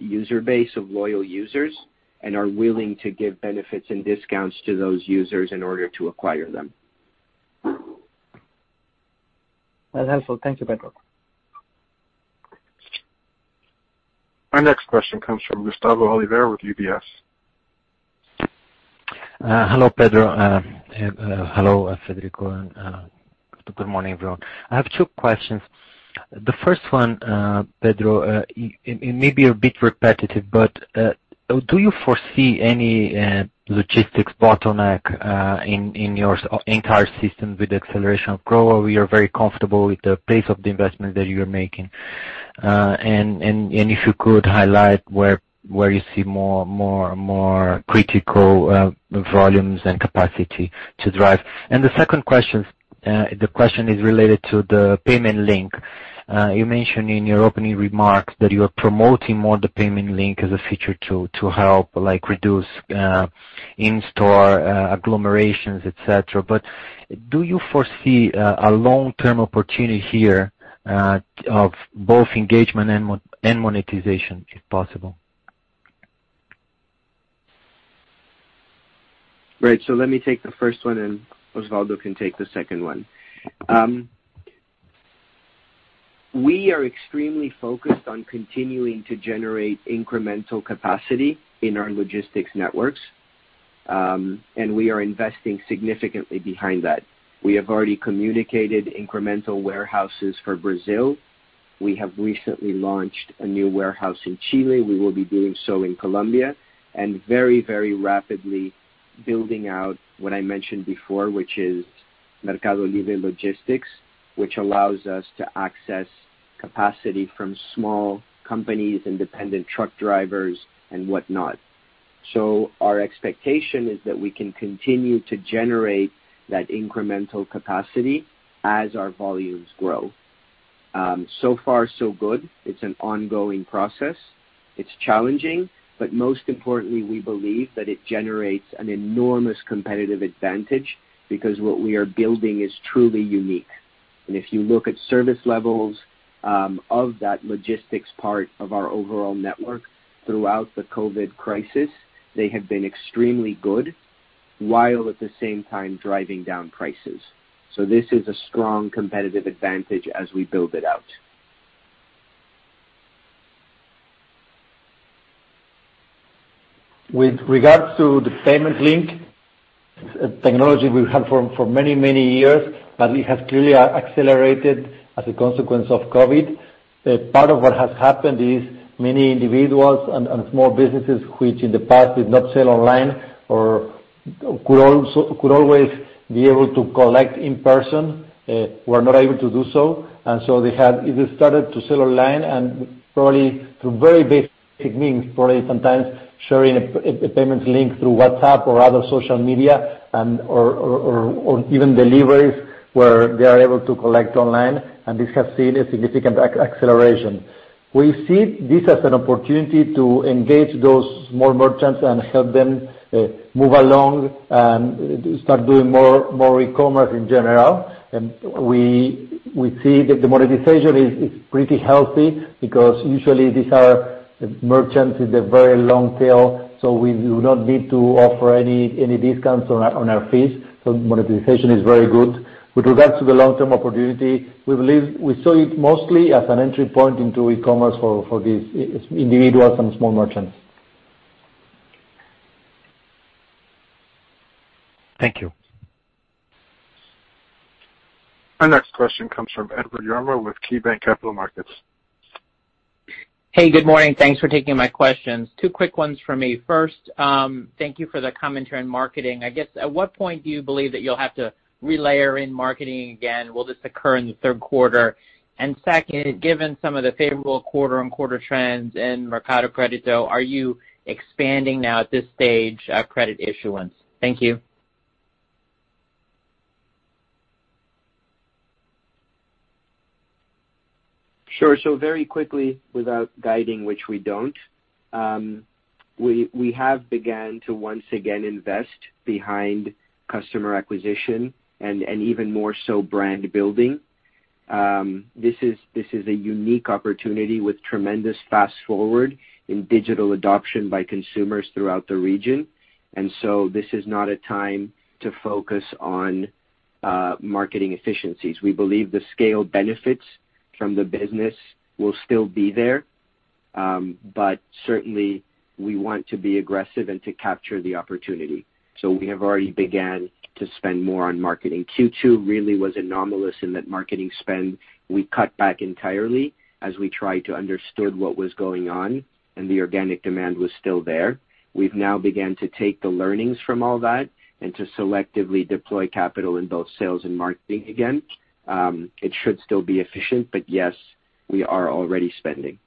user base of loyal users and are willing to give benefits and discounts to those users in order to acquire them. That's helpful. Thank you, Pedro. Our next question comes from Gustavo Oliveira with UBS. Hello, Pedro. Hello, Federico. Good morning, everyone. I have two questions. The first one, Pedro, it may be a bit repetitive, but do you foresee any logistics bottleneck in your entire system with acceleration of growth? You're very comfortable with the pace of the investment that you're making? If you could highlight where you see more critical volumes and capacity to drive. The second question is related to the payment link. You mentioned in your opening remarks that you are promoting more the payment link as a feature to help reduce in-store agglomerations, et cetera. Do you foresee a long-term opportunity here of both engagement and monetization, if possible? Right. Let me take the first one, and Osvaldo can take the second one. We are extremely focused on continuing to generate incremental capacity in our logistics networks, and we are investing significantly behind that. We have already communicated incremental warehouses for Brazil. We have recently launched a new warehouse in Chile. We will be doing so in Colombia, and very rapidly building out what I mentioned before, which is MercadoLibre Logistics, which allows us to access capacity from small companies, independent truck drivers, and whatnot. Our expectation is that we can continue to generate that incremental capacity as our volumes grow. Far so good. It's an ongoing process. It's challenging, but most importantly, we believe that it generates an enormous competitive advantage because what we are building is truly unique. If you look at service levels of that logistics part of our overall network throughout the COVID crisis, they have been extremely good, while at the same time driving down prices. This is a strong competitive advantage as we build it out. With regards to the payment link technology we've had for many years, but it has clearly accelerated as a consequence of COVID-19. Part of what has happened is many individuals and small businesses, which in the past did not sell online or could always be able to collect in person, were not able to do so. They either started to sell online and probably through very basic means, probably sometimes sharing a payment link through WhatsApp or other social media or even deliveries where they are able to collect online. This has seen a significant acceleration. We see this as an opportunity to engage those small merchants and help them move along and start doing more e-commerce in general. We see that the monetization is pretty healthy because usually these are merchants with a very long tail, so we do not need to offer any discounts on our fees. Monetization is very good. With regards to the long-term opportunity, we saw it mostly as an entry point into e-commerce for these individuals and small merchants. Thank you. Our next question comes from Edward Yruma with KeyBanc Capital Markets. Hey, good morning. Thanks for taking my questions. Two quick ones from me. First, thank you for the commentary on marketing. I guess, at what point do you believe that you'll have to relayer in marketing again? Will this occur in the third quarter? Second, given some of the favorable quarter-on-quarter trends in Mercado Crédito, are you expanding now at this stage, credit issuance? Thank you. Sure. Very quickly, without guiding, which we don't. We have began to once again invest behind customer acquisition and even more so brand building. This is a unique opportunity with tremendous fast-forward in digital adoption by consumers throughout the region. This is not a time to focus on marketing efficiencies. We believe the scale benefits from the business will still be there. Certainly, we want to be aggressive and to capture the opportunity. We have already began to spend more on marketing. Q2 really was anomalous in that marketing spend, we cut back entirely as we tried to understood what was going on, and the organic demand was still there. We've now began to take the learnings from all that and to selectively deploy capital in both sales and marketing again. It should still be efficient, yes, we are already spending.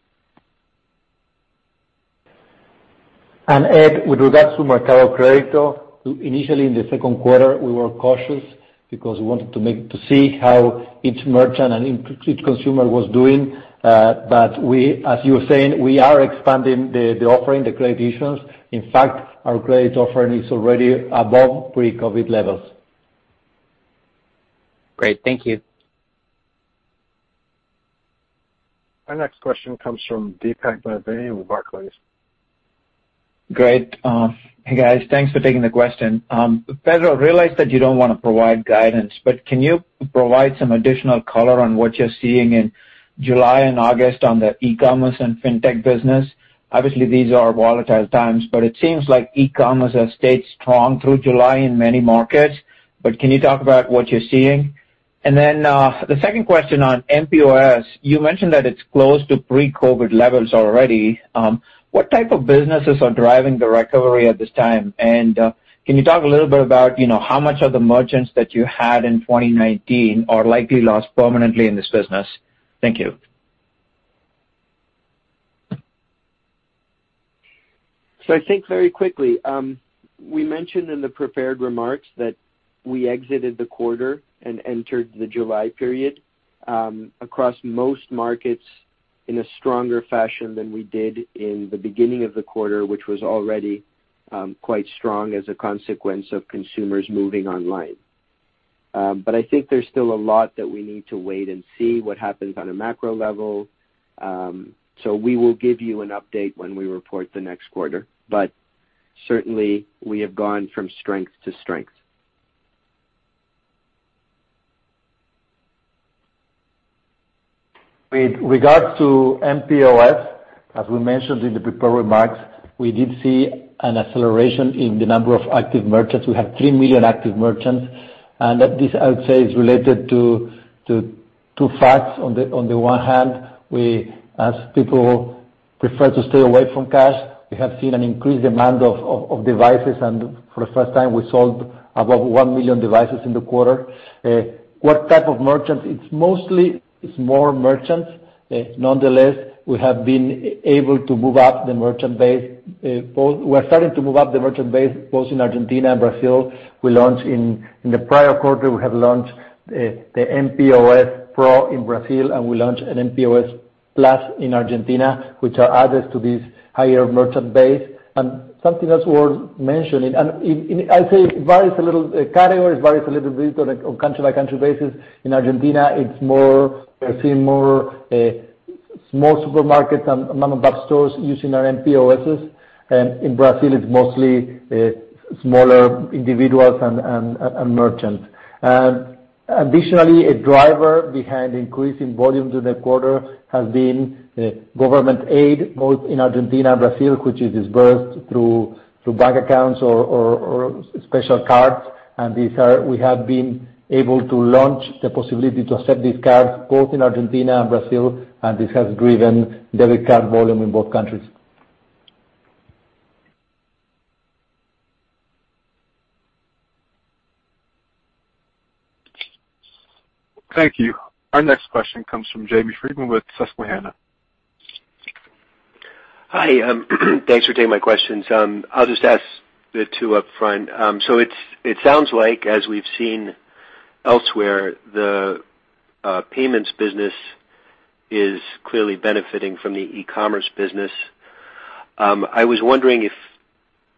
Ed, with regards to Mercado Crédito, initially in the second quarter, we were cautious because we wanted to see how each merchant and each consumer was doing. As you were saying, we are expanding the offering, the credit issuance. In fact, our credit offering is already above pre-COVID levels. Great. Thank you. Our next question comes from Deepak [Madhae] with Barclays. Great. Hey, guys. Thanks for taking the question. Pedro, realize that you don't want to provide guidance, can you provide some additional color on what you're seeing in July and August on the e-commerce and fintech business? Obviously, these are volatile times, it seems like e-commerce has stayed strong through July in many markets. Can you talk about what you're seeing? The second question on mPOS, you mentioned that it's close to pre-COVID-19 levels already. What type of businesses are driving the recovery at this time? Can you talk a little bit about how much of the merchants that you had in 2019 are likely lost permanently in this business? Thank you. I think very quickly, we mentioned in the prepared remarks that we exited the quarter and entered the July period, across most markets in a stronger fashion than we did in the beginning of the quarter, which was already quite strong as a consequence of consumers moving online. I think there's still a lot that we need to wait and see what happens on a macro level. We will give you an update when we report the next quarter. Certainly, we have gone from strength to strength. With regards to mPOS, as we mentioned in the prepared remarks, we did see an acceleration in the number of active merchants. We have 3 million active merchants, and this, I would say, is related to two facts. On the one hand, as people prefer to stay away from cash, we have seen an increased demand of devices, and for the first time, we sold above 1 million devices in the quarter. What type of merchants? It's mostly small merchants. Nonetheless, we have been able to move up the merchant base. We're starting to move up the merchant base both in Argentina and Brazil. In the prior quarter, we have launched the mPOS Pro in Brazil, and we launched an mPOS Plus in Argentina, which are added to this higher merchant base. Something else worth mentioning, and I'll say categories varies a little bit on a country-by-country basis. In Argentina, we are seeing more small supermarkets and mom-and-pop stores using our mPOSs. In Brazil, it's mostly smaller individuals and merchants. Additionally, a driver behind increasing volumes in the quarter has been government aid, both in Argentina and Brazil, which is disbursed through bank accounts or special cards. We have been able to launch the possibility to accept these cards both in Argentina and Brazil, and this has driven debit card volume in both countries. Thank you. Our next question comes from James Friedman with Susquehanna. Hi. Thanks for taking my questions. I'll just ask the two up front. It sounds like, as we've seen elsewhere, the payments business is clearly benefiting from the e-commerce business. I was wondering if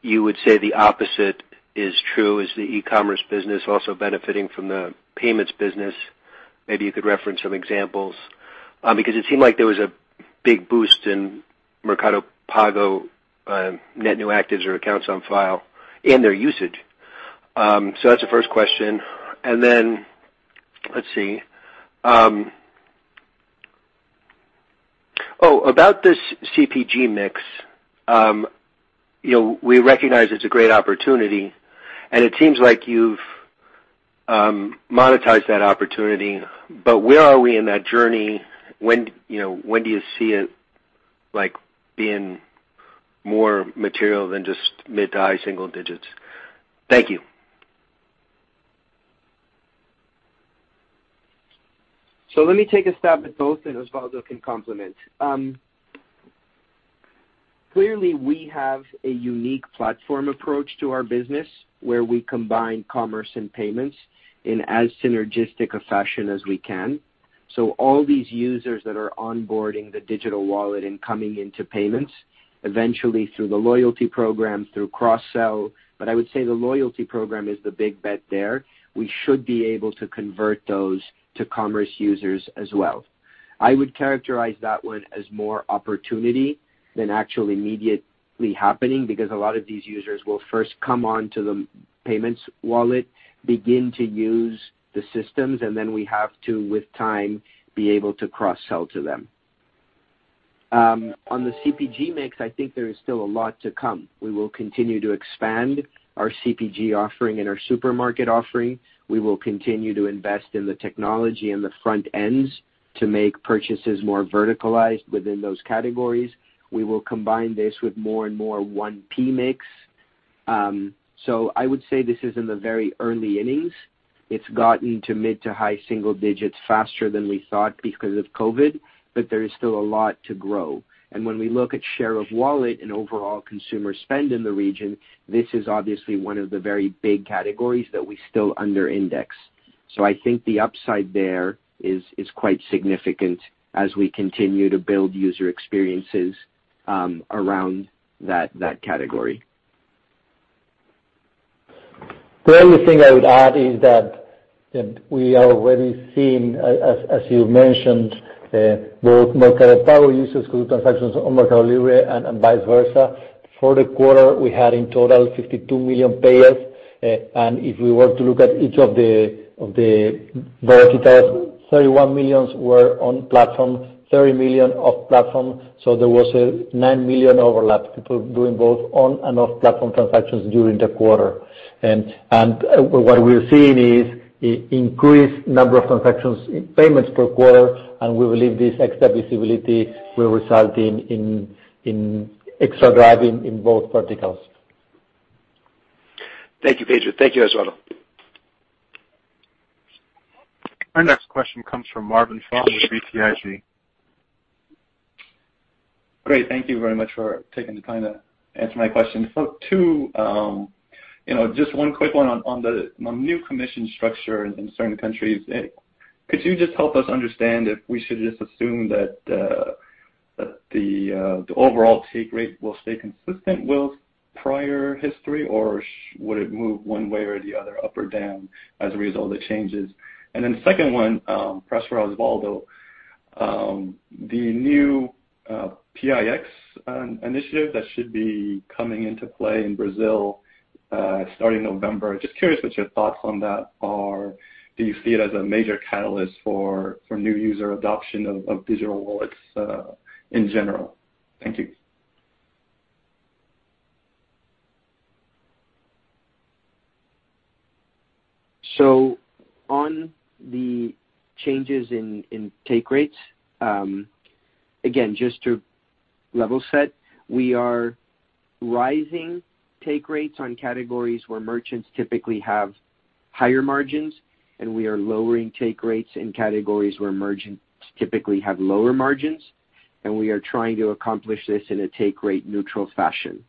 you would say the opposite is true. Is the e-commerce business also benefiting from the payments business? Maybe you could reference some examples. Because it seemed like there was a big boost in Mercado Pago net new actives or accounts on file and their usage. That's the first question. Let's see. About this CPG mix. We recognize it's a great opportunity, and it seems like you've monetized that opportunity, but where are we in that journey? When do you see it being more material than just mid to high single digits? Thank you. Let me take a stab at both, and Osvaldo can complement. Clearly, we have a unique platform approach to our business where we combine commerce and payments in as synergistic a fashion as we can. All these users that are onboarding the digital wallet and coming into payments, eventually through the loyalty program, through cross-sell. I would say the loyalty program is the big bet there. We should be able to convert those to commerce users as well. I would characterize that one as more opportunity than actually immediately happening, because a lot of these users will first come onto the payments wallet, begin to use the systems, and then we have to, with time, be able to cross-sell to them. On the CPG mix, I think there is still a lot to come. We will continue to expand our CPG offering and our supermarket offering. We will continue to invest in the technology and the front ends to make purchases more verticalized within those categories. We will combine this with more and more 1P mix. I would say this is in the very early innings. It's gotten to mid to high single digits faster than we thought because of COVID-19, but there is still a lot to grow. When we look at share of wallet and overall consumer spend in the region, this is obviously one of the very big categories that we still under-index. I think the upside there is quite significant as we continue to build user experiences around that category. The only thing I would add is that we are already seeing, as you mentioned, both Mercado Pago users do transactions on MercadoLibre and vice versa. For the quarter, we had in total 52 million payers. If we were to look at each of the verticals, 31 million were on-platform, 30 million off-platform, so there was a nine million overlap, people doing both on and off-platform transactions during the quarter. What we're seeing is increased number of transactions in payments per quarter, and we believe this extra visibility will result in extra driving in both verticals. Thank you, Pedro. Thank you, Osvaldo. Our next question comes from Marvin Fong with BTIG. Great. Thank you very much for taking the time to answer my question. Two, just one quick one on the new commission structure in certain countries. Could you just help us understand if we should just assume that the overall take rate will stay consistent with prior history, or would it move one way or the other, up or down, as a result of the changes? Second one, perhaps for Osvaldo, the new Pix initiative that should be coming into play in Brazil starting November, just curious what your thoughts on that are. Do you see it as a major catalyst for new user adoption of digital wallets in general? Thank you. On the changes in take rates, again, just to level set, we are rising take rates on categories where merchants typically have higher margins, and we are lowering take rates in categories where merchants typically have lower margins, and we are trying to accomplish this in a take rate neutral fashion.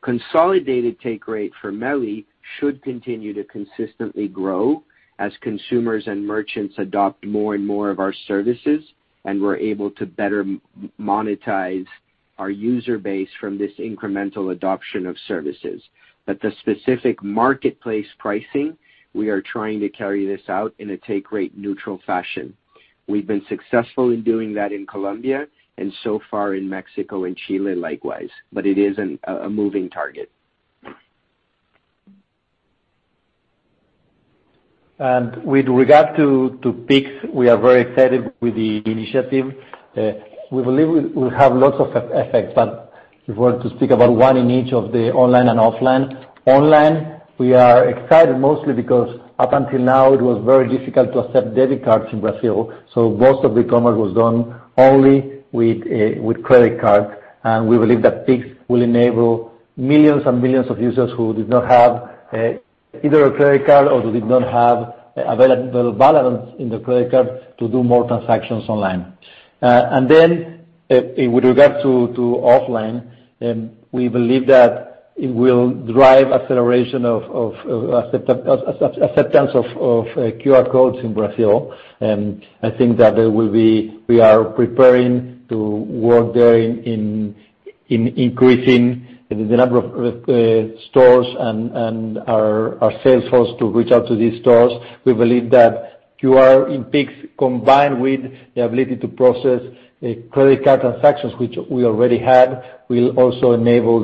Consolidated take rate for MercadoLibre should continue to consistently grow as consumers and merchants adopt more and more of our services, and we're able to better monetize our user base from this incremental adoption of services. The specific marketplace pricing, we are trying to carry this out in a take rate neutral fashion. We've been successful in doing that in Colombia, and so far in Mexico and Chile likewise, but it is a moving target. With regard to Pix, we are very excited with the initiative. We believe it will have lots of effects, but if we were to speak about one in each of the online and offline. Online, we are excited mostly because up until now, it was very difficult to accept debit cards in Brazil, so most of e-commerce was done only with credit cards. We believe that Pix will enable millions and millions of users who did not have either a credit card or who did not have available balance in their credit card to do more transactions online. With regard to offline, we believe that it will drive acceleration of acceptance of QR codes in Brazil. I think that we are preparing to work there in increasing the number of stores and our sales force to reach out to these stores. We believe that QR in Pix, combined with the ability to process credit card transactions, which we already had, will also enable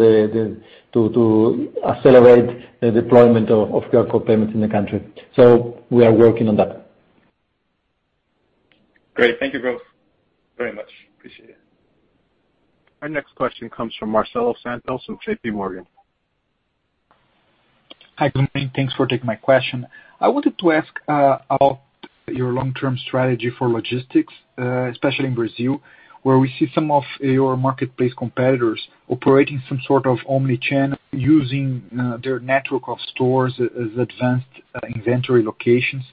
to accelerate the deployment of QR code payments in the country. We are working on that. Great. Thank you both very much. Appreciate it. Our next question comes from Marcelo Santos with JPMorgan. Hi, good morning. Thanks for taking my question. I wanted to ask about your long-term strategy for logistics, especially in Brazil, where we see some of your marketplace competitors operating some sort of omni-channel using their network of stores as advanced inventory locations.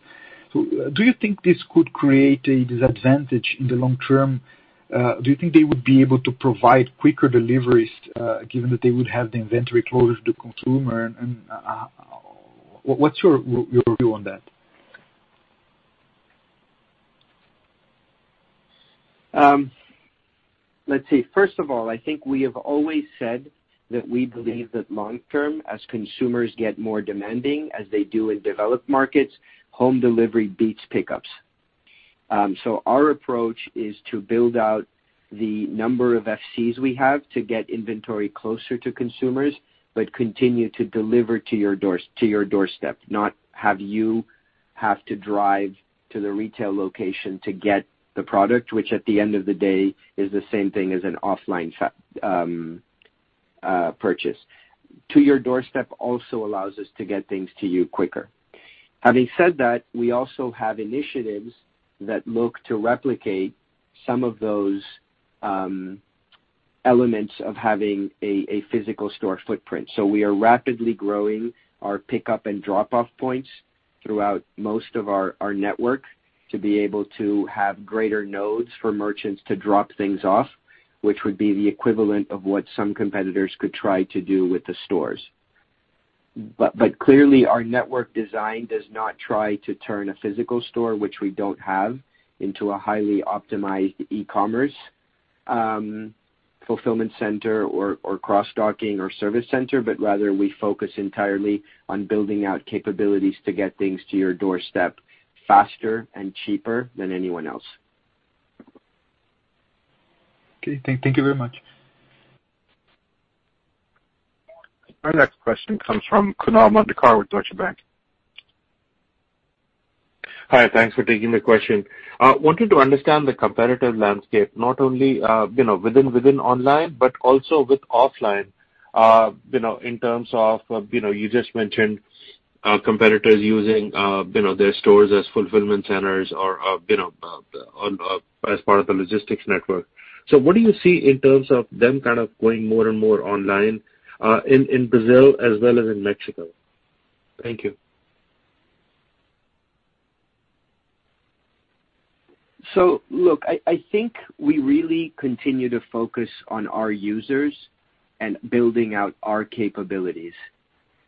Do you think this could create a disadvantage in the long term? Do you think they would be able to provide quicker deliveries, given that they would have the inventory closer to the consumer? What's your view on that? Let's see. First of all, I think we have always said that we believe that long term, as consumers get more demanding, as they do in developed markets, home delivery beats pickups. Our approach is to build out the number of FCs we have to get inventory closer to consumers, but continue to deliver to your doorstep, not have you to drive to the retail location to get the product, which at the end of the day is the same thing as an offline purchase. To your doorstep also allows us to get things to you quicker. Having said that, we also have initiatives that look to replicate some of those elements of having a physical store footprint. We are rapidly growing our pickup and drop-off points throughout most of our network to be able to have greater nodes for merchants to drop things off, which would be the equivalent of what some competitors could try to do with the stores. Clearly, our network design does not try to turn a physical store, which we don't have, into a highly optimized e-commerce fulfillment center or cross-docking or service center, but rather we focus entirely on building out capabilities to get things to your doorstep faster and cheaper than anyone else. Okay. Thank you very much. Our next question comes from Kunal Madhukar with Deutsche Bank. Hi. Thanks for taking the question. Wanted to understand the competitive landscape, not only within online, but also with offline, in terms of, you just mentioned competitors using their stores as fulfillment centers or as part of the logistics network. What do you see in terms of them kind of going more and more online, in Brazil as well as in Mexico? Thank you. Look, I think we really continue to focus on our users and building out our capabilities.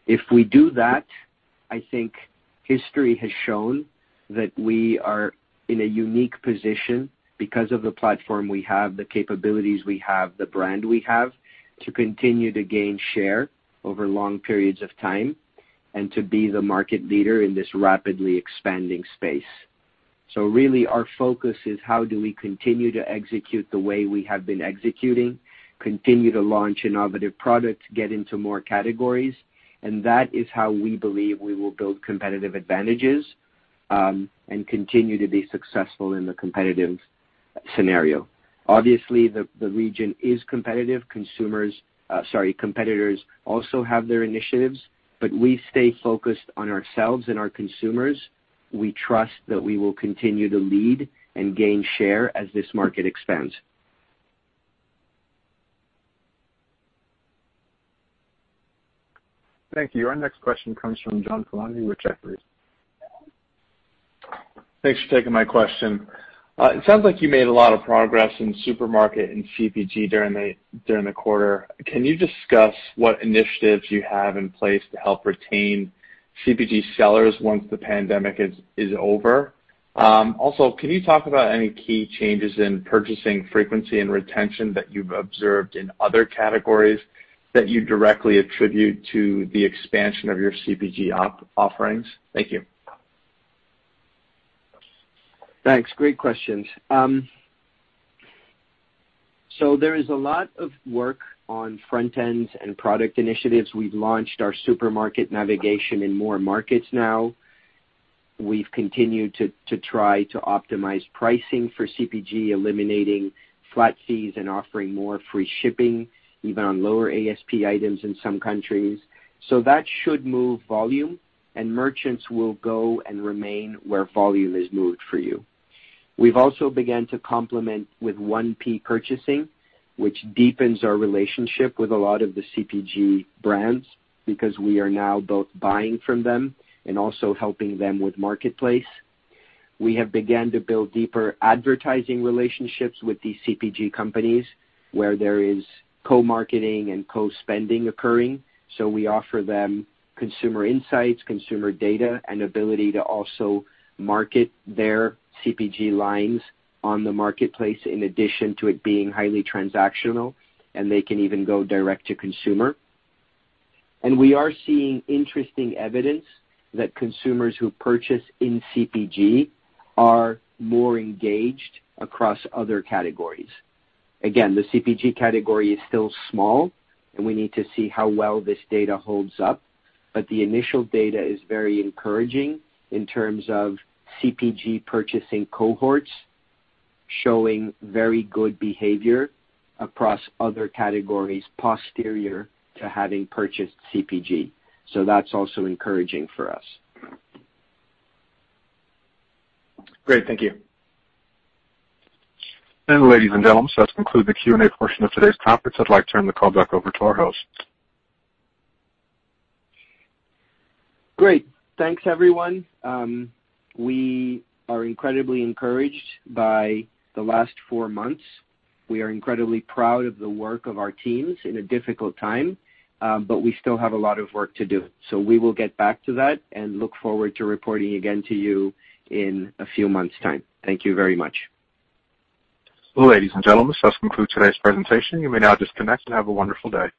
If we do that, I think history has shown that we are in a unique position because of the platform we have, the capabilities we have, the brand we have, to continue to gain share over long periods of time and to be the market leader in this rapidly expanding space. Really, our focus is how do we continue to execute the way we have been executing, continue to launch innovative products, get into more categories, and that is how we believe we will build competitive advantages, and continue to be successful in the competitive scenario. Obviously, the region is competitive. Competitors also have their initiatives, we stay focused on ourselves and our consumers. We trust that we will continue to lead and gain share as this market expands. Thank you. Our next question comes from John [Cronin] with Jefferies. Thanks for taking my question. It sounds like you made a lot of progress in supermarket and CPG during the quarter. Can you discuss what initiatives you have in place to help retain CPG sellers once the pandemic is over? Also, can you talk about any key changes in purchasing frequency and retention that you've observed in other categories that you directly attribute to the expansion of your CPG offerings? Thank you. Thanks. Great questions. There is a lot of work on front ends and product initiatives. We've launched our supermarket navigation in more markets now. We've continued to try to optimize pricing for CPG, eliminating flat fees and offering more free shipping, even on lower ASP items in some countries. That should move volume, and merchants will go and remain where volume is moved for you. We've also began to complement with 1P purchasing, which deepens our relationship with a lot of the CPG brands because we are now both buying from them and also helping them with marketplace. We have began to build deeper advertising relationships with these CPG companies, where there is co-marketing and co-spending occurring. We offer them consumer insights, consumer data, and ability to also market their CPG lines on the marketplace in addition to it being highly transactional, and they can even go direct to consumer. We are seeing interesting evidence that consumers who purchase in CPG are more engaged across other categories. Again, the CPG category is still small, and we need to see how well this data holds up, but the initial data is very encouraging in terms of CPG purchasing cohorts showing very good behavior across other categories posterior to having purchased CPG. That's also encouraging for us. Great. Thank you. Ladies and gentlemen, so that's conclude the Q&A portion of today's conference. I'd like to turn the call back over to our host. Great. Thanks, everyone. We are incredibly encouraged by the last four months. We are incredibly proud of the work of our teams in a difficult time, but we still have a lot of work to do. We will get back to that and look forward to reporting again to you in a few months' time. Thank you very much. Ladies and gentlemen, that concludes today's presentation. You may now disconnect and have a wonderful day.